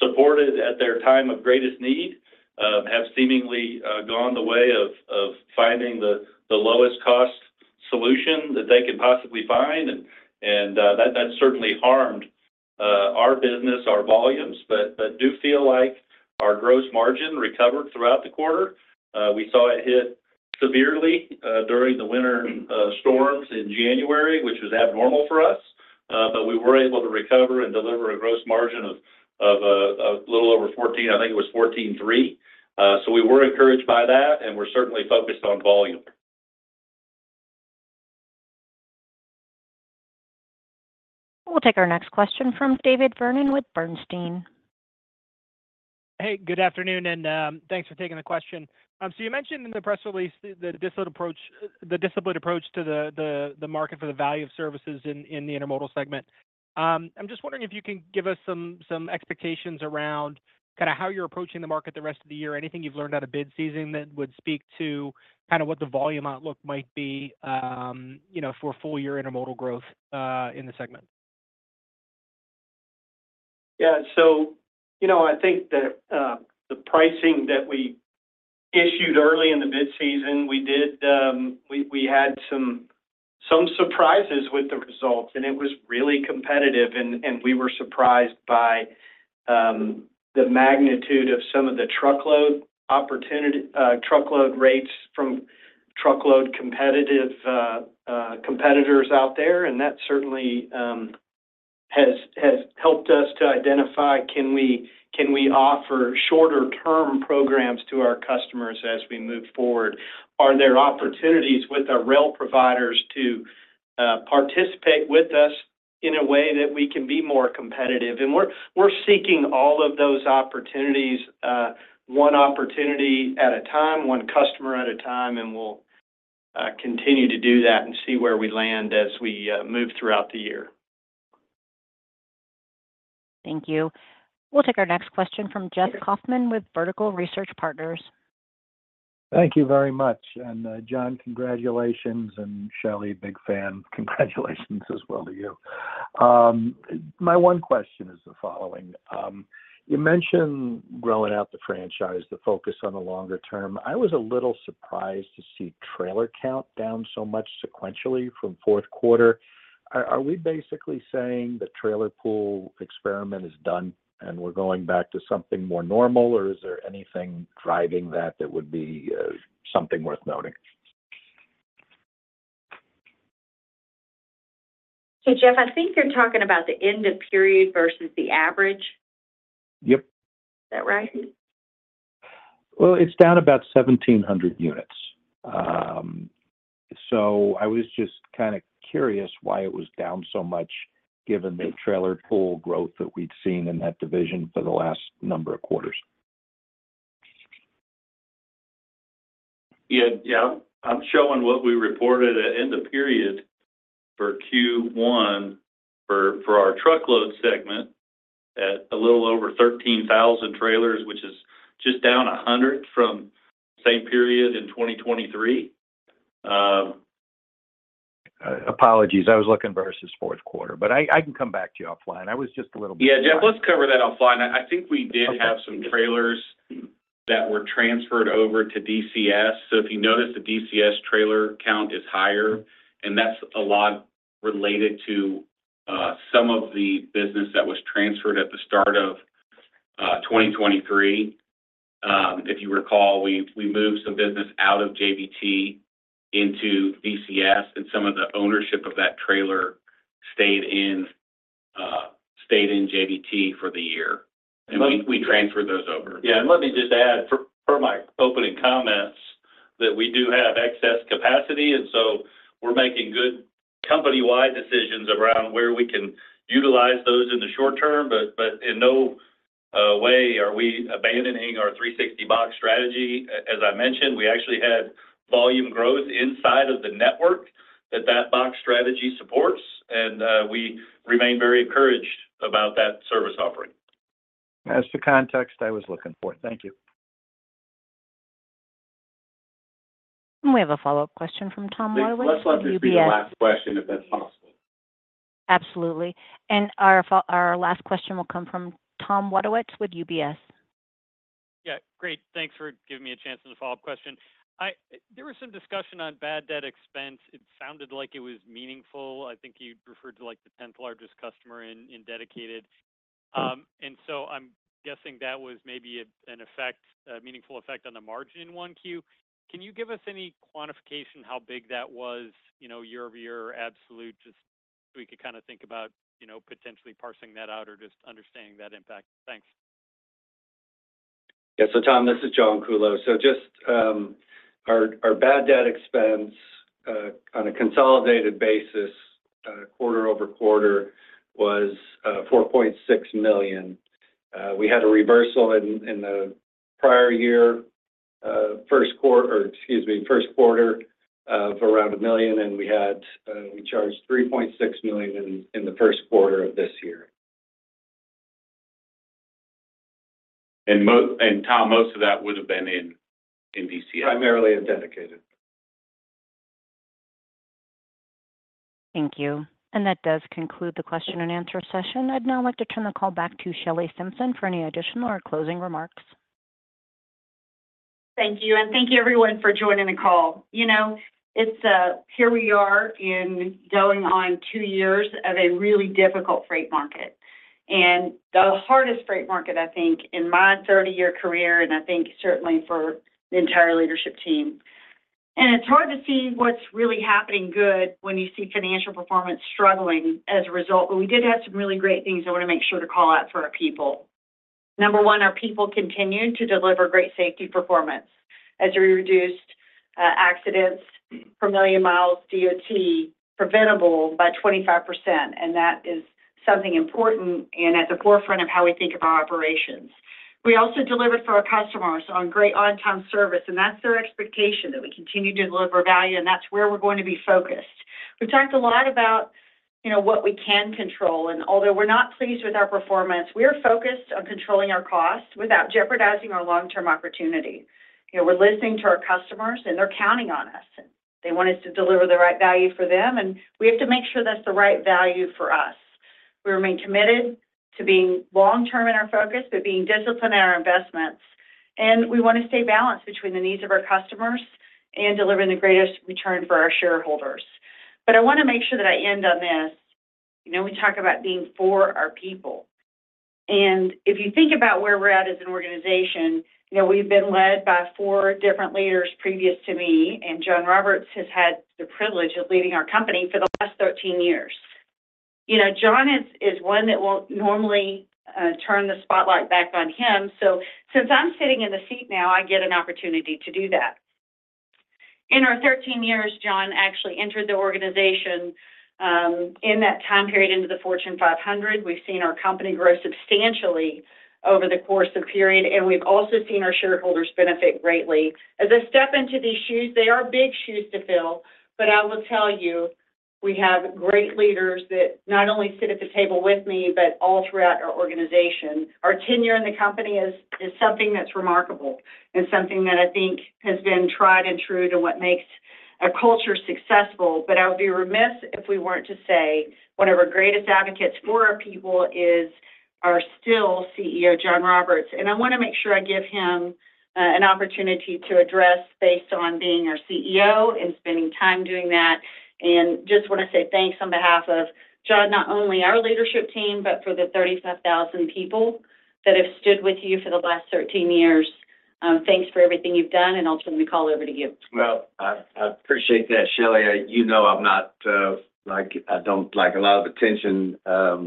we supported at their time of greatest need have seemingly gone the way of finding the lowest cost solution that they can possibly find. And that certainly harmed our business, our volumes, but do feel like our gross margin recovered throughout the quarter. We saw it hit severely during the winter storms in January, which was abnormal for us, but we were able to recover and deliver a gross margin of little over 14. I think it was 14.3. So we were encouraged by that, and we're certainly focused on volume. We'll take our next question from David Vernon with Bernstein. Hey, good afternoon, and thanks for taking the question. So you mentioned in the press release the disciplined approach to the market for the value of services in the intermodal segment. I'm just wondering if you can give us some expectations around kinda how you're approaching the market the rest of the year. Anything you've learned out of bid season that would speak to kinda what the volume outlook might be, you know, for full year intermodal growth in the segment? Yeah. So, you know, I think that the pricing that we issued early in the bid season, we had some surprises with the results, and it was really competitive. And we were surprised by the magnitude of some of the truckload opportunity, truckload rates from truckload competitive competitors out there. And that certainly has helped us to identify, can we offer shorter-term programs to our customers as we move forward? Are there opportunities with our rail providers to participate with us? In a way that we can be more competitive. We're seeking all of those opportunities, one opportunity at a time, one customer at a time, and we'll continue to do that and see where we land as we move throughout the year. Thank you. We'll take our next question from Jeff Kauffman with Vertical Research Partners. Thank you very much. And, John, congratulations, and Shelley, big fan. Congratulations as well to you. My one question is the following: you mentioned growing out the franchise, the focus on the longer term. I was a little surprised to see trailer count down so much sequentially from fourth quarter. Are we basically saying the trailer pool experiment is done, and we're going back to something more normal, or is there anything driving that that would be something worth noting? Hey, Jeff, I think you're talking about the end of period versus the average. Yep. Is that right? Well, it's down about 1,700 units. So I was just kind of curious why it was down so much, given the trailer pool growth that we'd seen in that division for the last number of quarters. Yeah. Yeah. I'm showing what we reported at end of period for Q1 for our Truckload segment at a little over 13,000 trailers, which is just down 100 from same period in 2023. Apologies, I was looking versus fourth quarter, but I can come back to you offline. I was just a little bit- Yeah, Jeff, let's cover that offline. I think we did have some trailers- Okay. that were transferred over to DCS. So if you notice, the DCS trailer count is higher, and that's a lot related to some of the business that was transferred at the start of 2023. If you recall, we moved some business out of JBT into DCS, and some of the ownership of that trailer stayed in JBT for the year, and we transferred those over. Yeah, and let me just add, for my opening comments, that we do have excess capacity, and so we're making good company-wide decisions around where we can utilize those in the short term. But in no way are we abandoning our 360box strategy. As I mentioned, we actually had volume growth inside of the network that box strategy supports, and we remain very encouraged about that service offering. That's the context I was looking for. Thank you. We have a follow-up question from Tom Wadewitz with UBS. Let's let this be the last question, if that's possible. Absolutely. And our last question will come from Tom Wadewitz with UBS. Yeah, great. Thanks for giving me a chance at a follow-up question. I, there was some discussion on bad debt expense. It sounded like it was meaningful. I think you referred to, like, the tenth largest customer in, in Dedicated. And so I'm guessing that was maybe a, an effect, a meaningful effect on the margin in 1Q. Can you give us any quantification how big that was, you know, year over year or absolute, just so we could kind of think about, you know, potentially parsing that out or just understanding that impact? Thanks. Yeah. So, Tom, this is John Kuhlow. So just, our bad debt expense on a consolidated basis quarter-over-quarter was $4.6 million. We had a reversal in the prior year first quarter, or excuse me, first quarter, of around $1 million, and we charged $3.6 million in the first quarter of this year. Tom, most of that would have been in DCS. Primarily in Dedicated. Thank you. That does conclude the question and answer session. I'd now like to turn the call back to Shelley Simpson for any additional or closing remarks. Thank you, and thank you, everyone, for joining the call. You know, it's here we are in going on 2 years of a really difficult freight market, and the hardest freight market, I think, in my 30-year career, and I think certainly for the entire leadership team. And it's hard to see what's really happening good when you see financial performance struggling as a result, but we did have some really great things I want to make sure to call out for our people. Number one, our people continued to deliver great safety performance as we reduced accidents per million miles DOT preventable by 25%, and that is something important and at the forefront of how we think of our operations. We also delivered for our customers on great on-time service, and that's their expectation, that we continue to deliver value, and that's where we're going to be focused. We talked a lot about, you know, what we can control, and although we're not pleased with our performance, we are focused on controlling our costs without jeopardizing our long-term opportunity. You know, we're listening to our customers, and they're counting on us. They want us to deliver the right value for them, and we have to make sure that's the right value for us. We remain committed to being long term in our focus, but being disciplined in our investments, and we want to stay balanced between the needs of our customers and delivering the greatest return for our shareholders. But I want to make sure that I end on this. You know, we talk about being for our people, and if you think about where we're at as an organization, you know, we've been led by four different leaders previous to me, and John Roberts has had the privilege of leading our company for the last 13 years. You know, John is, is one that won't normally turn the spotlight back on him, so since I'm sitting in the seat now, I get an opportunity to do that. In our 13 years, John actually entered the organization, in that time period, into the Fortune 500. We've seen our company grow substantially over the course of period, and we've also seen our shareholders benefit greatly. As I step into these shoes, they are big shoes to fill, but I will tell you, we have great leaders that not only sit at the table with me, but all throughout our organization. Our tenure in the company is, is something that's remarkable and something that I think has been tried and true to what makes a culture successful. But I would be remiss if we weren't to say one of our greatest advocates for our people is our still CEO, John Roberts. And I wanna make sure I give him an opportunity to address based on being our CEO and spending time doing that, and just wanna say thanks on behalf of John, not only our leadership team, but for the 35,000 people that have stood with you for the last 13 years. Thanks for everything you've done, and I'll turn the call over to you. Well, I appreciate that, Shelley. You know, I'm not, like. I don't like a lot of attention. I,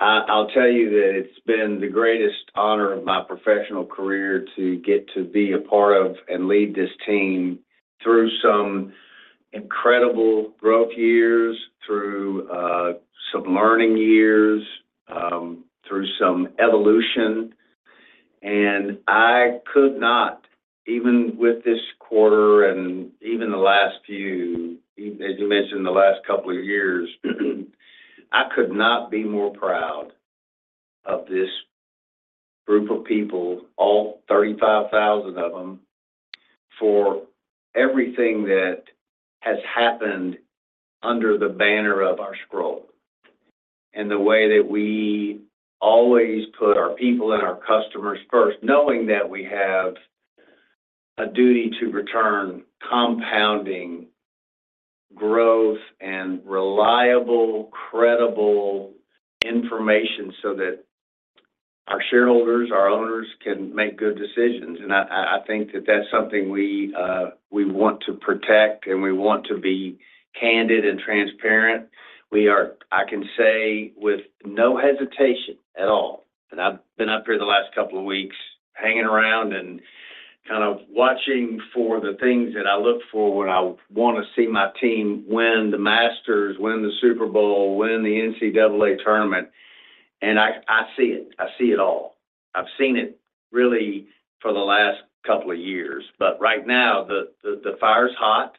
I'll tell you that it's been the greatest honor of my professional career to get to be a part of and lead this team through some incredible growth years, through some learning years, through some evolution. And I could not, even with this quarter and even the last few, as you mentioned, the last couple of years, I could not be more proud of this group of people, all 35,000 of them, for everything that has happened under the banner of our scroll, and the way that we always put our people and our customers first, knowing that we have a duty to return compounding growth and reliable, credible information so that our shareholders, our owners, can make good decisions. I think that that's something we want to protect, and we want to be candid and transparent. We are, I can say with no hesitation at all, and I've been up here the last couple of weeks hanging around and kind of watching for the things that I look for when I wanna see my team win the Masters, win the Super Bowl, win the NCAA tournament, and I see it. I see it all. I've seen it really for the last couple of years. But right now, the fire's hot,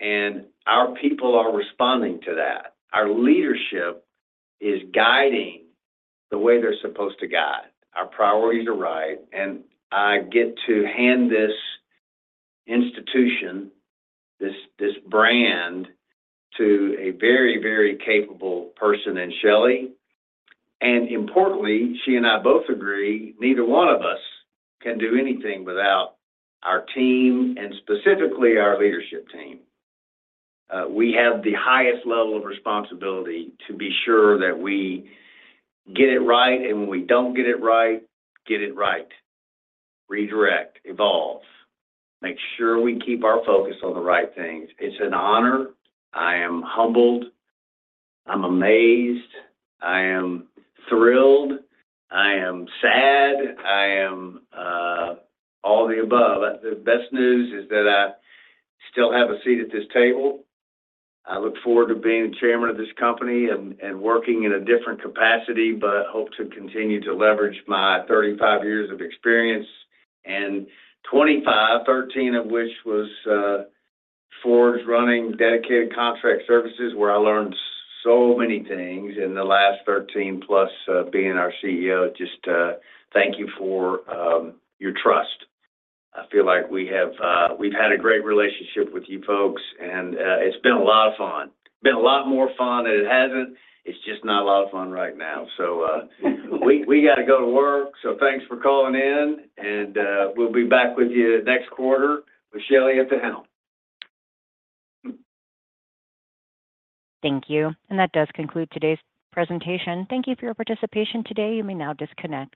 and our people are responding to that. Our leadership is guiding the way they're supposed to guide. Our priorities are right, and I get to hand this institution, this brand, to a very, very capable person in Shelley. Importantly, she and I both agree, neither one of us can do anything without our team and specifically our leadership team. We have the highest level of responsibility to be sure that we get it right, and when we don't get it right, get it right. Redirect, evolve, make sure we keep our focus on the right things. It's an honor. I am humbled. I'm amazed. I am thrilled. I am sad. I am all the above. The best news is that I still have a seat at this table. I look forward to being the chairman of this company and working in a different capacity, but hope to continue to leverage my 35 years of experience and 25, 13 of which was spent running Dedicated Contract Services, where I learned so many things in the last 13+, being our CEO. Just, thank you for your trust. I feel like we have, we've had a great relationship with you folks, and, it's been a lot of fun. It's been a lot more fun than it hasn't. It's just not a lot of fun right now. So, we gotta go to work, so thanks for calling in, and, we'll be back with you next quarter with Shelley at the helm. Thank you. And that does conclude today's presentation. Thank you for your participation today. You may now disconnect.